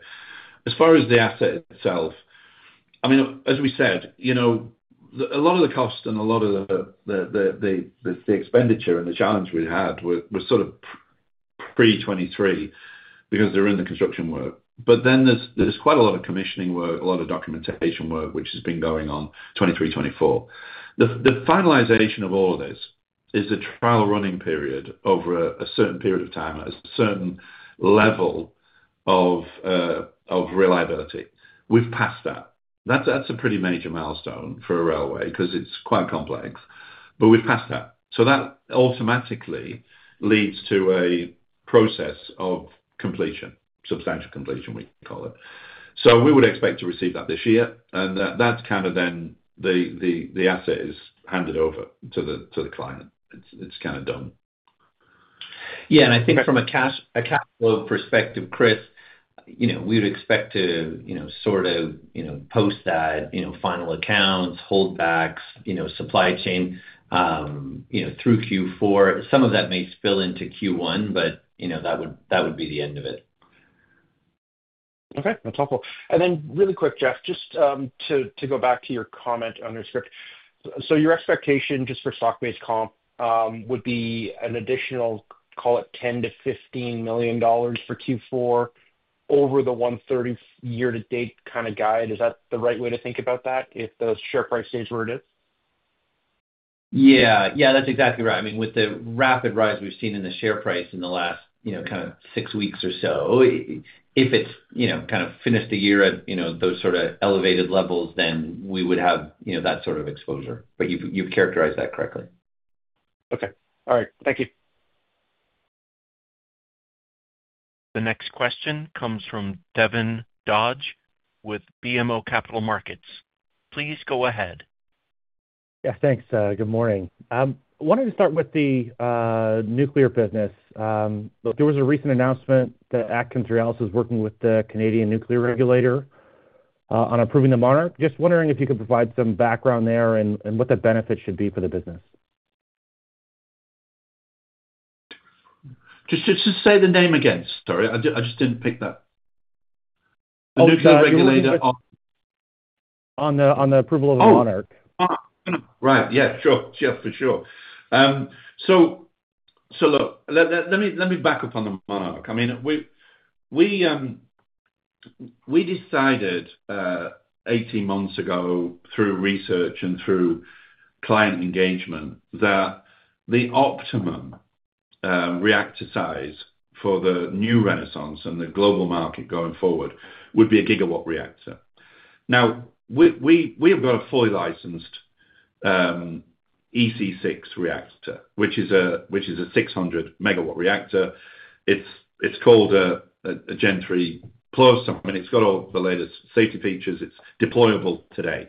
As far as the asset itself, I mean, as we said, a lot of the cost and a lot of the expenditure and the challenge we had was sort of pre-2023 because they're in the construction work. But then there's quite a lot of commissioning work, a lot of documentation work, which has been going on 2023, 2024. The finalization of all of this is a trial running period over a certain period of time at a certain level of reliability. We've passed that. That's a pretty major milestone for a railway because it's quite complex, but we've passed that. So that automatically leads to a process of completion, substantial completion, we call it. So we would expect to receive that this year, and that's kind of then the asset is handed over to the client. It's kind of done. Yeah. And I think from a cash flow perspective, Chris, we would expect to sort of post that, final accounts, holdbacks, supply chain through Q4. Some of that may spill into Q1, but that would be the end of it. Okay. That's helpful. And then really quick, Jeff, just to go back to your comment on your script. So your expectation just for stock-based comp would be an additional, call it, 10 million-15 million dollars for Q4 over the 130 million year-to-date kind of guide. Is that the right way to think about that if the share price stays where it is? Yeah. Yeah. That's exactly right. I mean, with the rapid rise we've seen in the share price in the last kind of six weeks or so, if it's kind of finished the year at those sort of elevated levels, then we would have that sort of exposure. But you've characterized that correctly. Okay. All right. Thank you. The next question comes from Devin Dodge with BMO Capital Markets. Please go ahead. Yeah. Thanks. Good morning. I wanted to start with the nuclear business. There was a recent announcement that AtkinsRéalis is working with the Canadian nuclear regulator on approving the Monarch. Just wondering if you could provide some background there and what the benefit should be for the business. Just say the name again. Sorry. I just didn't pick that. The nuclear regulator on the approval of the Monarch. Right. Yeah. Sure. Jeff, for sure. So look, let me back up on the Monarch. I mean, we decided 18 months ago through research and through client engagement that the optimum reactor size for the new Renaissance and the global market going forward would be a gigawatt reactor. Now, we have got a fully licensed EC6 reactor, which is a 600 MW reactor. It's called a Gen III+. I mean, it's got all the latest safety features. It's deployable today.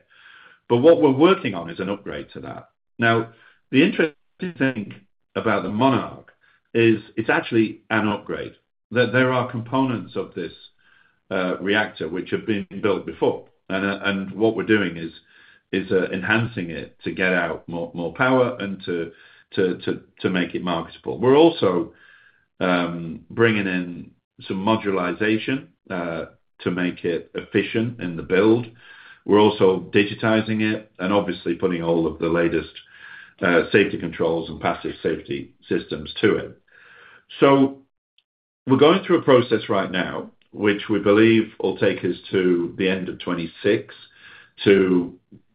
But what we're working on is an upgrade to that. Now, the interesting thing about the Monarch is it's actually an upgrade. There are components of this reactor which have been built before. And what we're doing is enhancing it to get out more power and to make it marketable. We're also bringing in some modularization to make it efficient in the build. We're also digitizing it and obviously putting all of the latest safety controls and passive safety systems to it. So we're going through a process right now, which we believe will take us to the end of 2026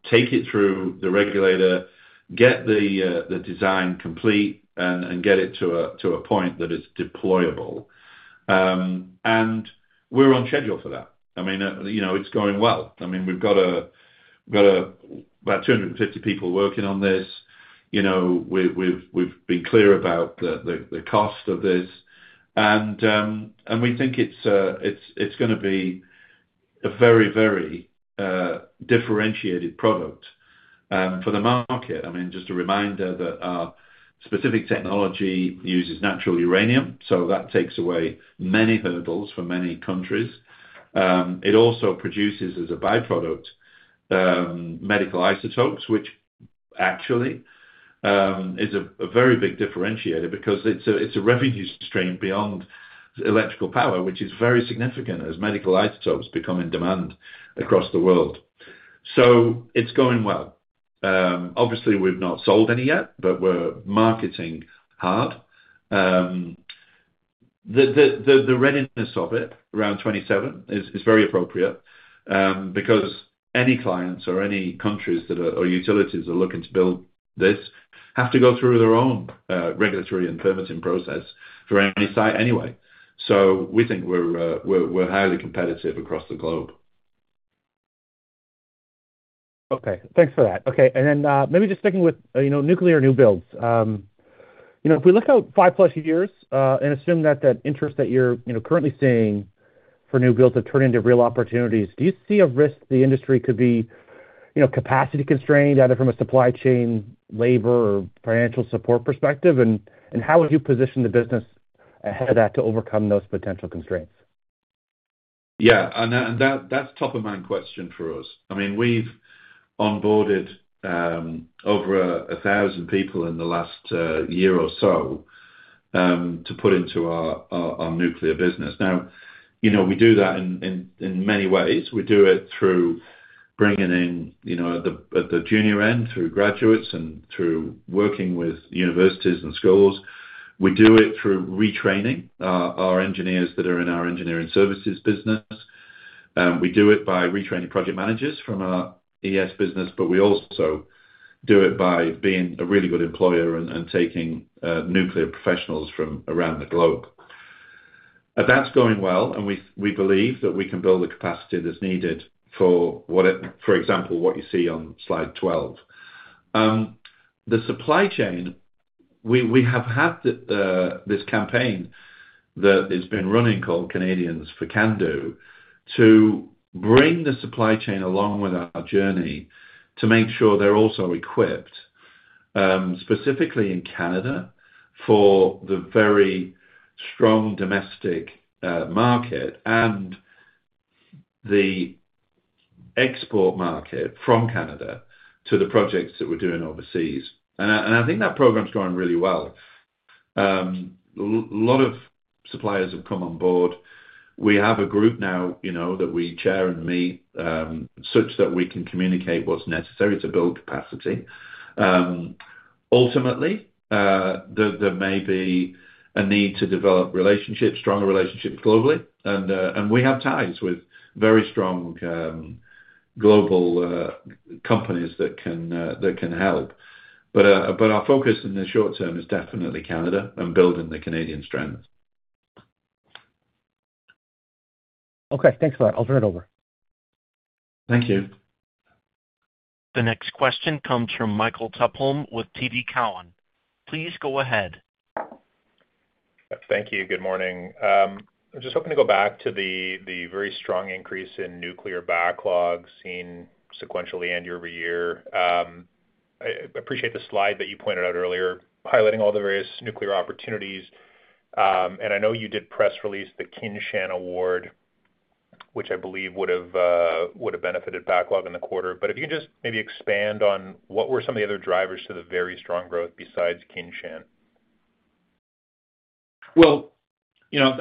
to take it through the regulator, get the design complete, and get it to a point that it's deployable. And we're on schedule for that. I mean, it's going well. I mean, we've got about 250 people working on this. We've been clear about the cost of this. And we think it's going to be a very, very differentiated product for the market. I mean, just a reminder that our specific technology uses natural uranium, so that takes away many hurdles for many countries. It also produces, as a byproduct, medical isotopes, which actually is a very big differentiator because it's a revenue stream beyond electrical power, which is very significant as medical isotopes become in demand across the world. So it's going well. Obviously, we've not sold any yet, but we're marketing hard. The readiness of it around 2027 is very appropriate because any clients or any countries or utilities are looking to build this have to go through their own regulatory and permitting process for any site anyway. So we think we're highly competitive across the globe. Okay. Thanks for that. Okay. And then maybe just sticking with nuclear new builds. If we look out five-plus years and assume that that interest that you're currently seeing for new builds have turned into real opportunities, do you see a risk the industry could be capacity constrained either from a supply chain labor or financial support perspective? And how would you position the business ahead of that to overcome those potential constraints? Yeah. And that's top-of-mind question for us. I mean, we've onboarded over 1,000 people in the last year or so to put into our nuclear business. Now, we do that in many ways. We do it through bringing in at the junior end, through graduates, and through working with universities and schools. We do it through retraining our engineers that are in our engineering services business. We do it by retraining project managers from our ES business, but we also do it by being a really good employer and taking nuclear professionals from around the globe. That's going well, and we believe that we can build the capacity that's needed for, for example, what you see on slide 12. The supply chain, we have had this campaign that has been running called Canadians for CANDU to bring the supply chain along with our journey to make sure they're also equipped, specifically in Canada, for the very strong domestic market and the export market from Canada to the projects that we're doing overseas. And I think that program's going really well. A lot of suppliers have come on board. We have a group now that we chair and meet such that we can communicate what's necessary to build capacity. Ultimately, there may be a need to develop relationships, stronger relationships globally. And we have ties with very strong global companies that can help. But our focus in the short term is definitely Canada and building the Canadian strength. Okay. Thanks for that. I'll turn it over. Thank you. The next question comes from Michael Tupholme with TD Cowen. Please go ahead. Thank you. Good morning. I'm just hoping to go back to the very strong increase in nuclear backlog seen sequentially, year-end, year-over-year. I appreciate the slide that you pointed out earlier highlighting all the various nuclear opportunities. And I know you did press release the Qinshan award, which I believe would have benefited backlog in the quarter. But if you can just maybe expand on what were some of the other drivers to the very strong growth besides Qinshan?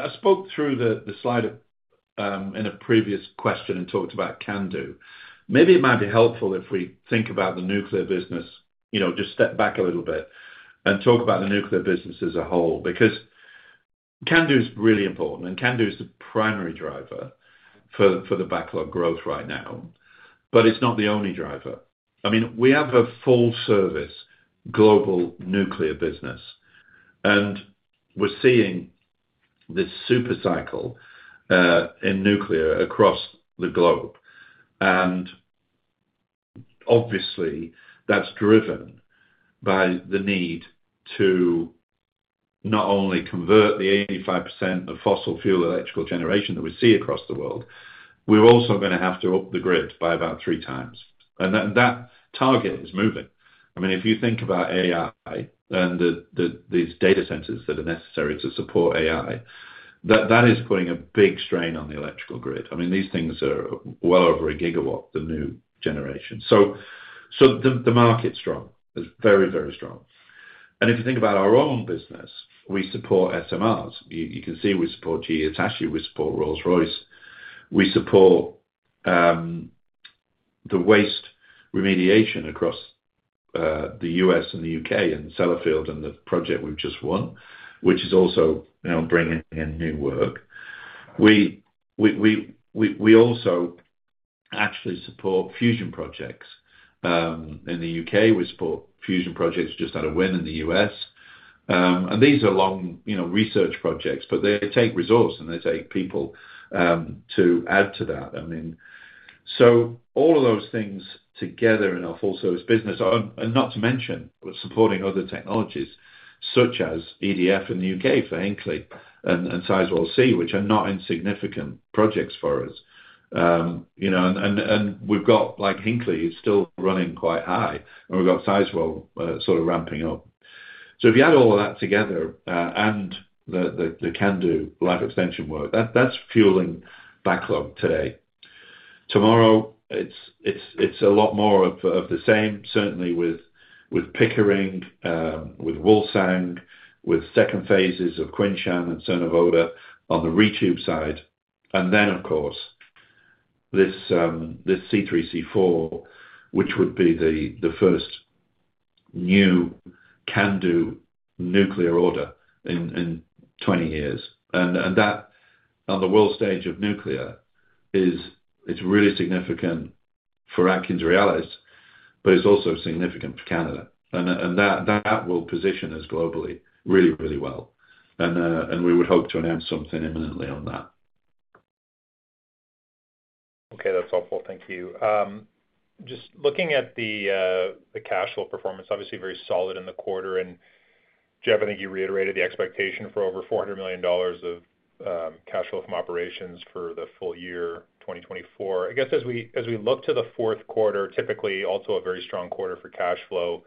I spoke through the slide in a previous question and talked about CANDU. Maybe it might be helpful if we think about the nuclear business, just step back a little bit and talk about the nuclear business as a whole because CANDU is really important, and CANDU is the primary driver for the backlog growth right now, but it's not the only driver. I mean, we have a full-service global nuclear business, and we're seeing this supercycle in nuclear across the globe. Obviously, that's driven by the need to not only convert the 85% of fossil fuel electrical generation that we see across the world, we're also going to have to up the grid by about 3x. That target is moving. I mean, if you think about AI and these data centers that are necessary to support AI, that is putting a big strain on the electrical grid. I mean, these things are well over a gigawatt, the new generation. So the market's strong. It's very, very strong. And if you think about our own business, we support SMRs. You can see we support GE Hitachi. We support Rolls-Royce. We support the waste remediation across the U.S. and the U.K. and Sellafield and the project we've just won, which is also bringing in new work. We also actually support fusion projects. In the U.K., we support fusion projects just out of wind in the U.S. And these are long research projects, but they take resources, and they take people to add to that. I mean, so all of those things together in our full-service business, and not to mention supporting other technologies such as EDF in the U.K. for Hinkley and Sizewell C, which are not insignificant projects for us. And we've got Hinkley is still running quite high, and we've got Sizewell sort of ramping up. So if you add all of that together and the CANDU life extension work, that's fueling backlog today. Tomorrow, it's a lot more of the same, certainly with Pickering, with Wolsong, with second phases of Qinshan and Cernavodă on the retube side. And then, of course, this EC6, which would be the first new CANDU nuclear order in 20 years. And that on the world stage of nuclear, it's really significant for AtkinsRéalis, but it's also significant for Canada. And that will position us globally really, really well. We would hope to announce something imminently on that. Okay. That's helpful. Thank you. Just looking at the cash flow performance, obviously very solid in the quarter. And Jeff, I think you reiterated the expectation for over 400 million dollars of cash flow from operations for the full year, 2024. I guess as we look to the fourth quarter, typically also a very strong quarter for cash flow,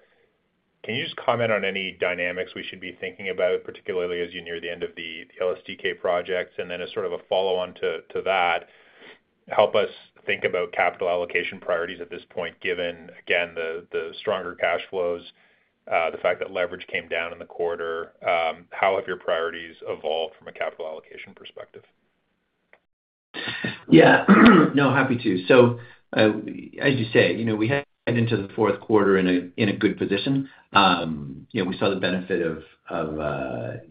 can you just comment on any dynamics we should be thinking about, particularly as you near the end of the LSTK projects? And then as sort of a follow-on to that, help us think about capital allocation priorities at this point, given, again, the stronger cash flows, the fact that leverage came down in the quarter. How have your priorities evolved from a capital allocation perspective? Yeah. No, happy to. So as you say, we head into the fourth quarter in a good position. We saw the benefit of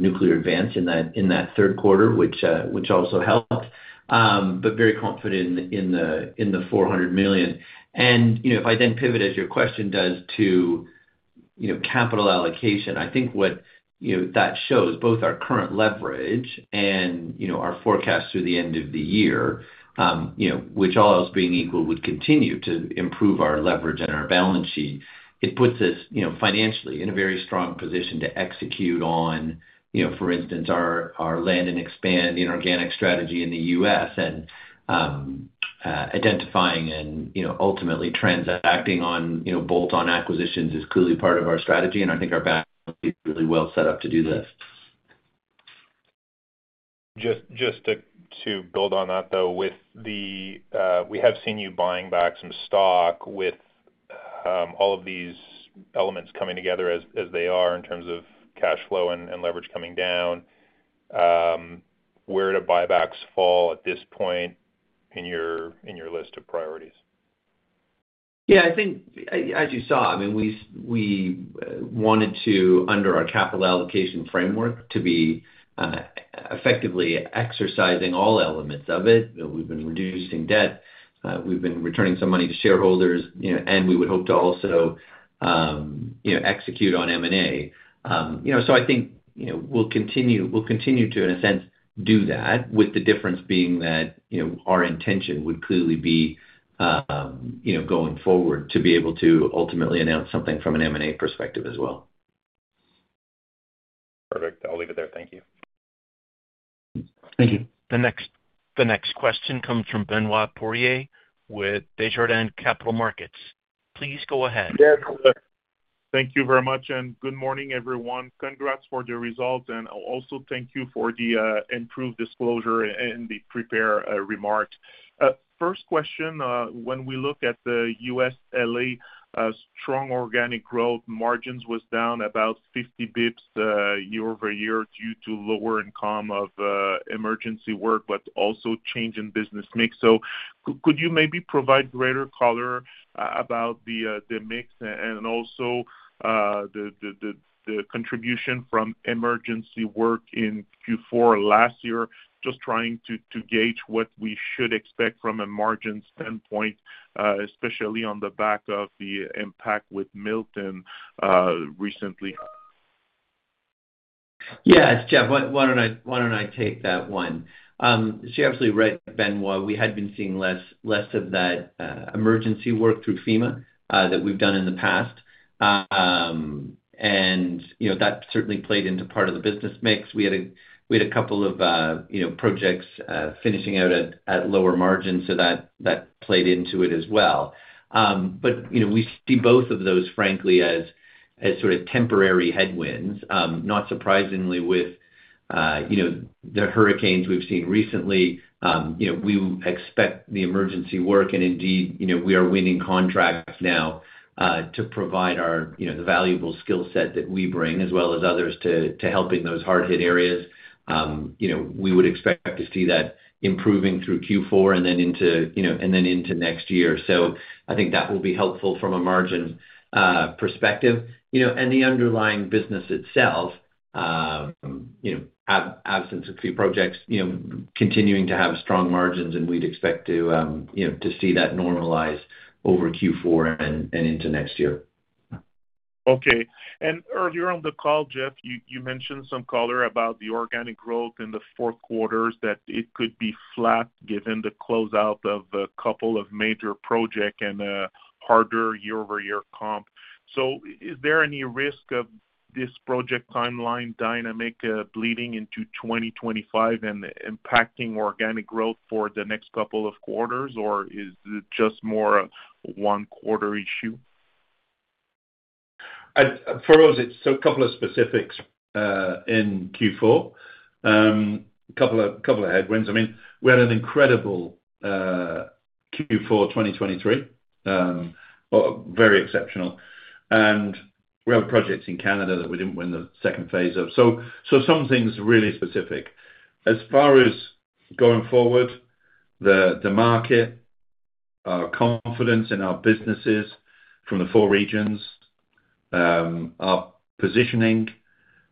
nuclear advance in that third quarter, which also helped, but very confident in the 400 million, and if I then pivot, as your question does, to capital allocation, I think what that shows, both our current leverage and our forecast through the end of the year, which all else being equal, would continue to improve our leverage and our balance sheet. It puts us financially in a very strong position to execute on, for instance, our land and expand inorganic strategy in the U.S., and identifying and ultimately transacting on bolt-on acquisitions is clearly part of our strategy, and I think our background is really well set up to do this. Just to build on that, though, we have seen you buying back some stock with all of these elements coming together as they are in terms of cash flow and leverage coming down. Where do buybacks fall at this point in your list of priorities? Yeah. I think, as you saw, I mean, we wanted to, under our capital allocation framework, to be effectively exercising all elements of it. We've been reducing debt. We've been returning some money to shareholders. And we would hope to also execute on M&A. So I think we'll continue to, in a sense, do that, with the difference being that our intention would clearly be going forward to be able to ultimately announce something from an M&A perspective as well. Perfect. I'll leave it there. Thank you. Thank you. The next question comes from Benoit Poirier with Desjardins Capital Markets. Please go ahead. Yes, sir. Thank you very much and good morning, everyone. Congrats for the results and I'll also thank you for the improved disclosure and the prepared remarks. First question, when we look at the USLA strong organic growth, margins was down about 50 basis points year-over-year due to lower income of emergency work, but also change in business mix. So could you maybe provide greater color about the mix and also the contribution from emergency work in Q4 last year, just trying to gauge what we should expect from a margin standpoint, especially on the back of the impact with Milton recently? Yeah. Jeff, why don't I take that one? So you're absolutely right, Benoit. We had been seeing less of that emergency work through FEMA that we've done in the past and that certainly played into part of the business mix. We had a couple of projects finishing out at lower margins, so that played into it as well. But we see both of those, frankly, as sort of temporary headwinds. Not surprisingly, with the hurricanes we've seen recently, we expect the emergency work. And indeed, we are winning contracts now to provide the valuable skill set that we bring, as well as others, to helping those hard-hit areas. We would expect to see that improving through Q4 and then into next year. So I think that will be helpful from a margin perspective. And the underlying business itself, absence of few projects, continuing to have strong margins, and we'd expect to see that normalize over Q4 and into next year. Okay. And earlier on the call, Jeff, you mentioned some color about the organic growth in the fourth quarter, that it could be flat given the closeout of a couple of major projects and a harder year-over-year comp. So is there any risk of this project timeline dynamic bleeding into 2025 and impacting organic growth for the next couple of quarters, or is it just more a one-quarter issue? For us, it's a couple of specifics in Q4, a couple of headwinds. I mean, we had an incredible Q4 2023, very exceptional. And we have projects in Canada that we didn't win the second phase of. So some things are really specific. As far as going forward, the market, our confidence in our businesses from the four regions, our positioning,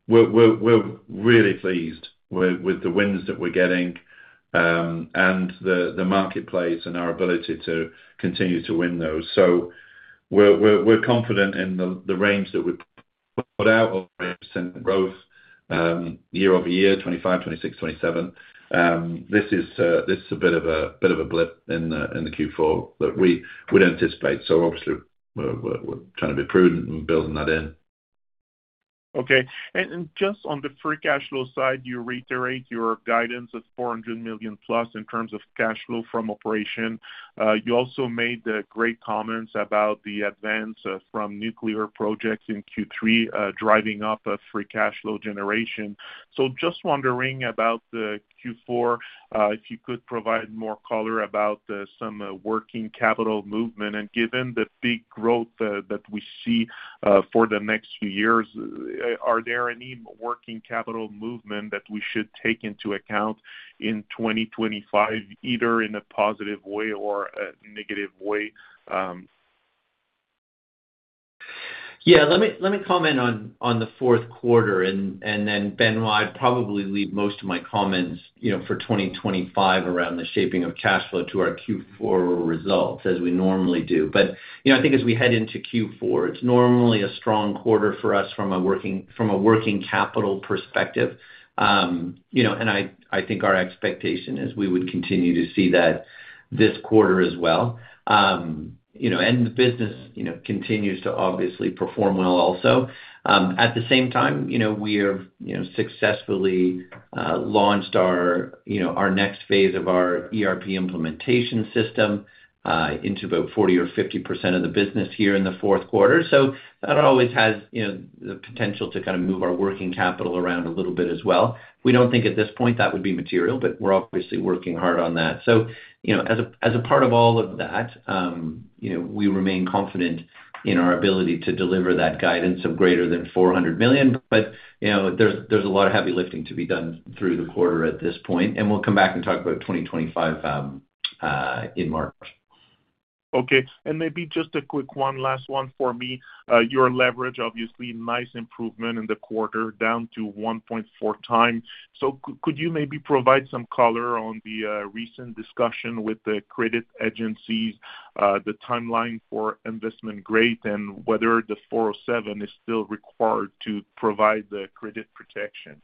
we're really pleased with the wins that we're getting and the marketplace and our ability to continue to win those. We're confident in the range that we put out of growth year-over-year, 2025, 2026, 2027. This is a bit of a blip in the Q4 that we'd anticipate. So obviously, we're trying to be prudent in building that in. Okay. And just on the free cash flow side, you reiterate your guidance of 400+ million in terms of cash flow from operations. You also made great comments about the advance from nuclear projects in Q3 driving up free cash flow generation. So just wondering about the Q4, if you could provide more color about some working capital movement. And given the big growth that we see for the next few years, are there any working capital movement that we should take into account in 2025, either in a positive way or a negative way? Yeah. Let me comment on the fourth quarter. Then, Benoit, I'd probably leave most of my comments for 2025 around the shaping of cash flow to our Q4 results, as we normally do. I think as we head into Q4, it's normally a strong quarter for us from a working capital perspective. I think our expectation is we would continue to see that this quarter as well. The business continues to obviously perform well also. At the same time, we have successfully launched our next phase of our ERP implementation system into about 40% or 50% of the business here in the fourth quarter. That always has the potential to kind of move our working capital around a little bit as well. We don't think at this point that would be material, but we're obviously working hard on that. So as a part of all of that, we remain confident in our ability to deliver that guidance of greater than 400 million. But there's a lot of heavy lifting to be done through the quarter at this point. And we'll come back and talk about 2025 in March. Okay. And maybe just a quick one last one for me. Your leverage, obviously, nice improvement in the quarter, down to 1.4x. So could you maybe provide some color on the recent discussion with the credit agencies, the timeline for investment grade, and whether the 407 is still required to provide the credit protection?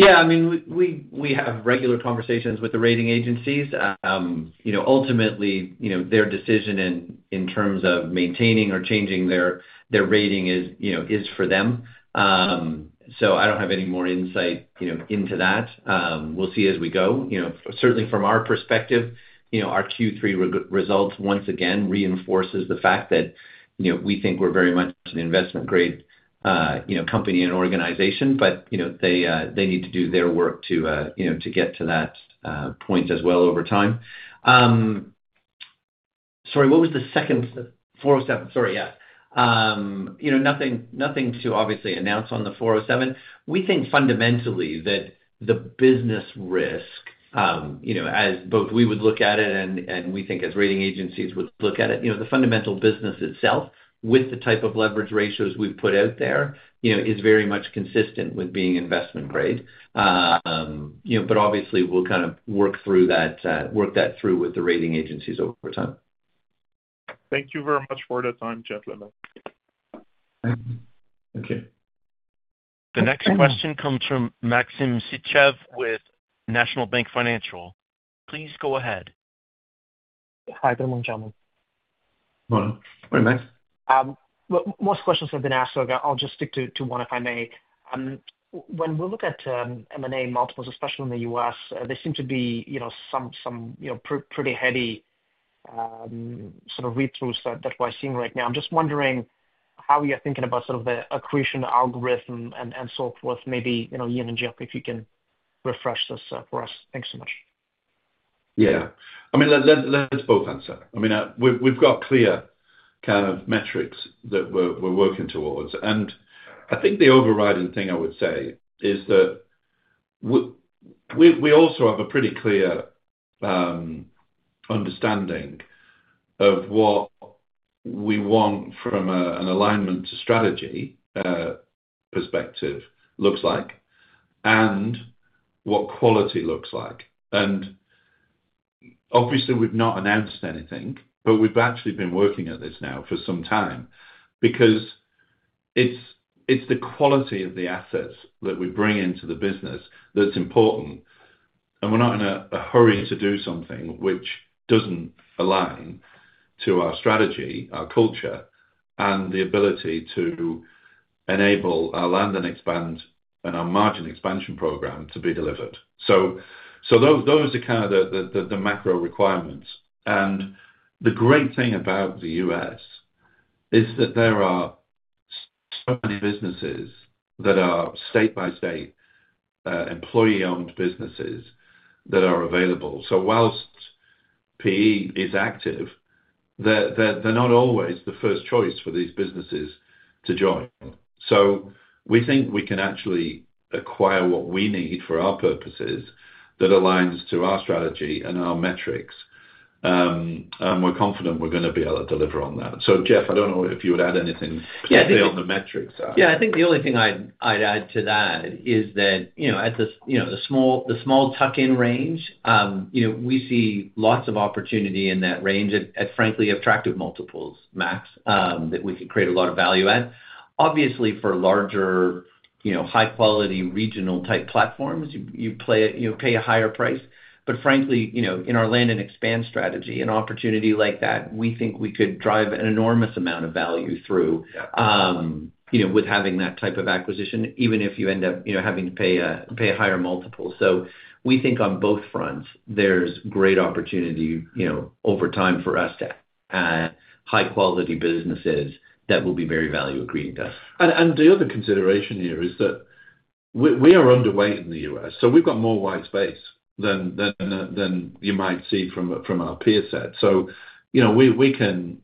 Yeah. I mean, we have regular conversations with the rating agencies. Ultimately, their decision in terms of maintaining or changing their rating is for them. So I don't have any more insight into that. We'll see as we go. Certainly, from our perspective, our Q3 results, once again, reinforces the fact that we think we're very much an investment-grade company and organization. But they need to do their work to get to that point as well over time. Sorry, what was the second 407? Sorry. Yeah. Nothing to obviously announce on the 407. We think fundamentally that the business risk, as both we would look at it and we think as rating agencies would look at it, the fundamental business itself, with the type of leverage ratios we've put out there, is very much consistent with being investment-grade. But obviously, we'll kind of work that through with the rating agencies over time. Thank you very much for the time, gentlemen. Okay. The next question comes from Maxim Sytchev with National Bank Financial. Please go ahead. Hi, good morning, gentlemen. Morning. Morning, Maxim. Most questions have been asked, so I'll just stick to one, if I may. When we look at M&A multiples, especially in the U.S., there seem to be some pretty heavy sort of read-throughs that we're seeing right now. I'm just wondering how you're thinking about sort of the accretion algorithm and so forth. Maybe Ian and Jeff, if you can refresh this for us. Thanks so much. Yeah. I mean, let's both answer. I mean, we've got clear kind of metrics that we're working towards. And I think the overriding thing I would say is that we also have a pretty clear understanding of what we want from an alignment to strategy perspective looks like and what quality looks like. Obviously, we've not announced anything, but we've actually been working at this now for some time because it's the quality of the assets that we bring into the business that's important. We're not in a hurry to do something which doesn't align to our strategy, our culture, and the ability to enable our land and expand and our margin expansion program to be delivered. Those are kind of the macro requirements. The great thing about the U.S. is that there are so many businesses that are state-by-state employee-owned businesses that are available. While PE is active, they're not always the first choice for these businesses to join. We think we can actually acquire what we need for our purposes that aligns to our strategy and our metrics. We're confident we're going to be able to deliver on that. So Jeff, I don't know if you would add anything specifically on the metric side. Yeah. I think the only thing I'd add to that is that at the small tuck-in range, we see lots of opportunity in that range at frankly attractive multiples, Max, that we could create a lot of value at. Obviously, for larger, high-quality regional-type platforms, you pay a higher price. But frankly, in our land and expand strategy, an opportunity like that, we think we could drive an enormous amount of value through with having that type of acquisition, even if you end up having to pay a higher multiple, so we think on both fronts, there's great opportunity over time for us to add high-quality businesses that will be very value-accreting to us, and the other consideration here is that we are underweight in the U.S. So we've got more white space than you might see from our peer set. So we can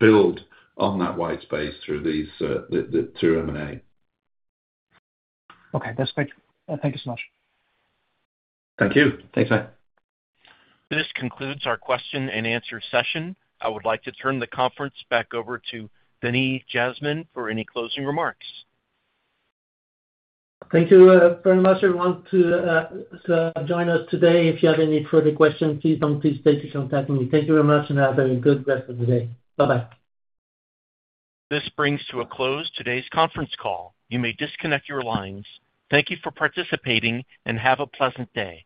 build on that white space through M&A. Okay. That's great. Thank you so much. Thank you. Thanks, man. This concludes our question-and-answer session. I would like to turn the conference back over to Denis Jasmin for any closing remarks. Thank you very much, everyone, to join us today. If you have any further questions, please don't hesitate to contact me. Thank you very much, and have a good rest of the day. Bye-bye. This brings to a close today's conference call. You may disconnect your lines. Thank you for participating, and have a pleasant day.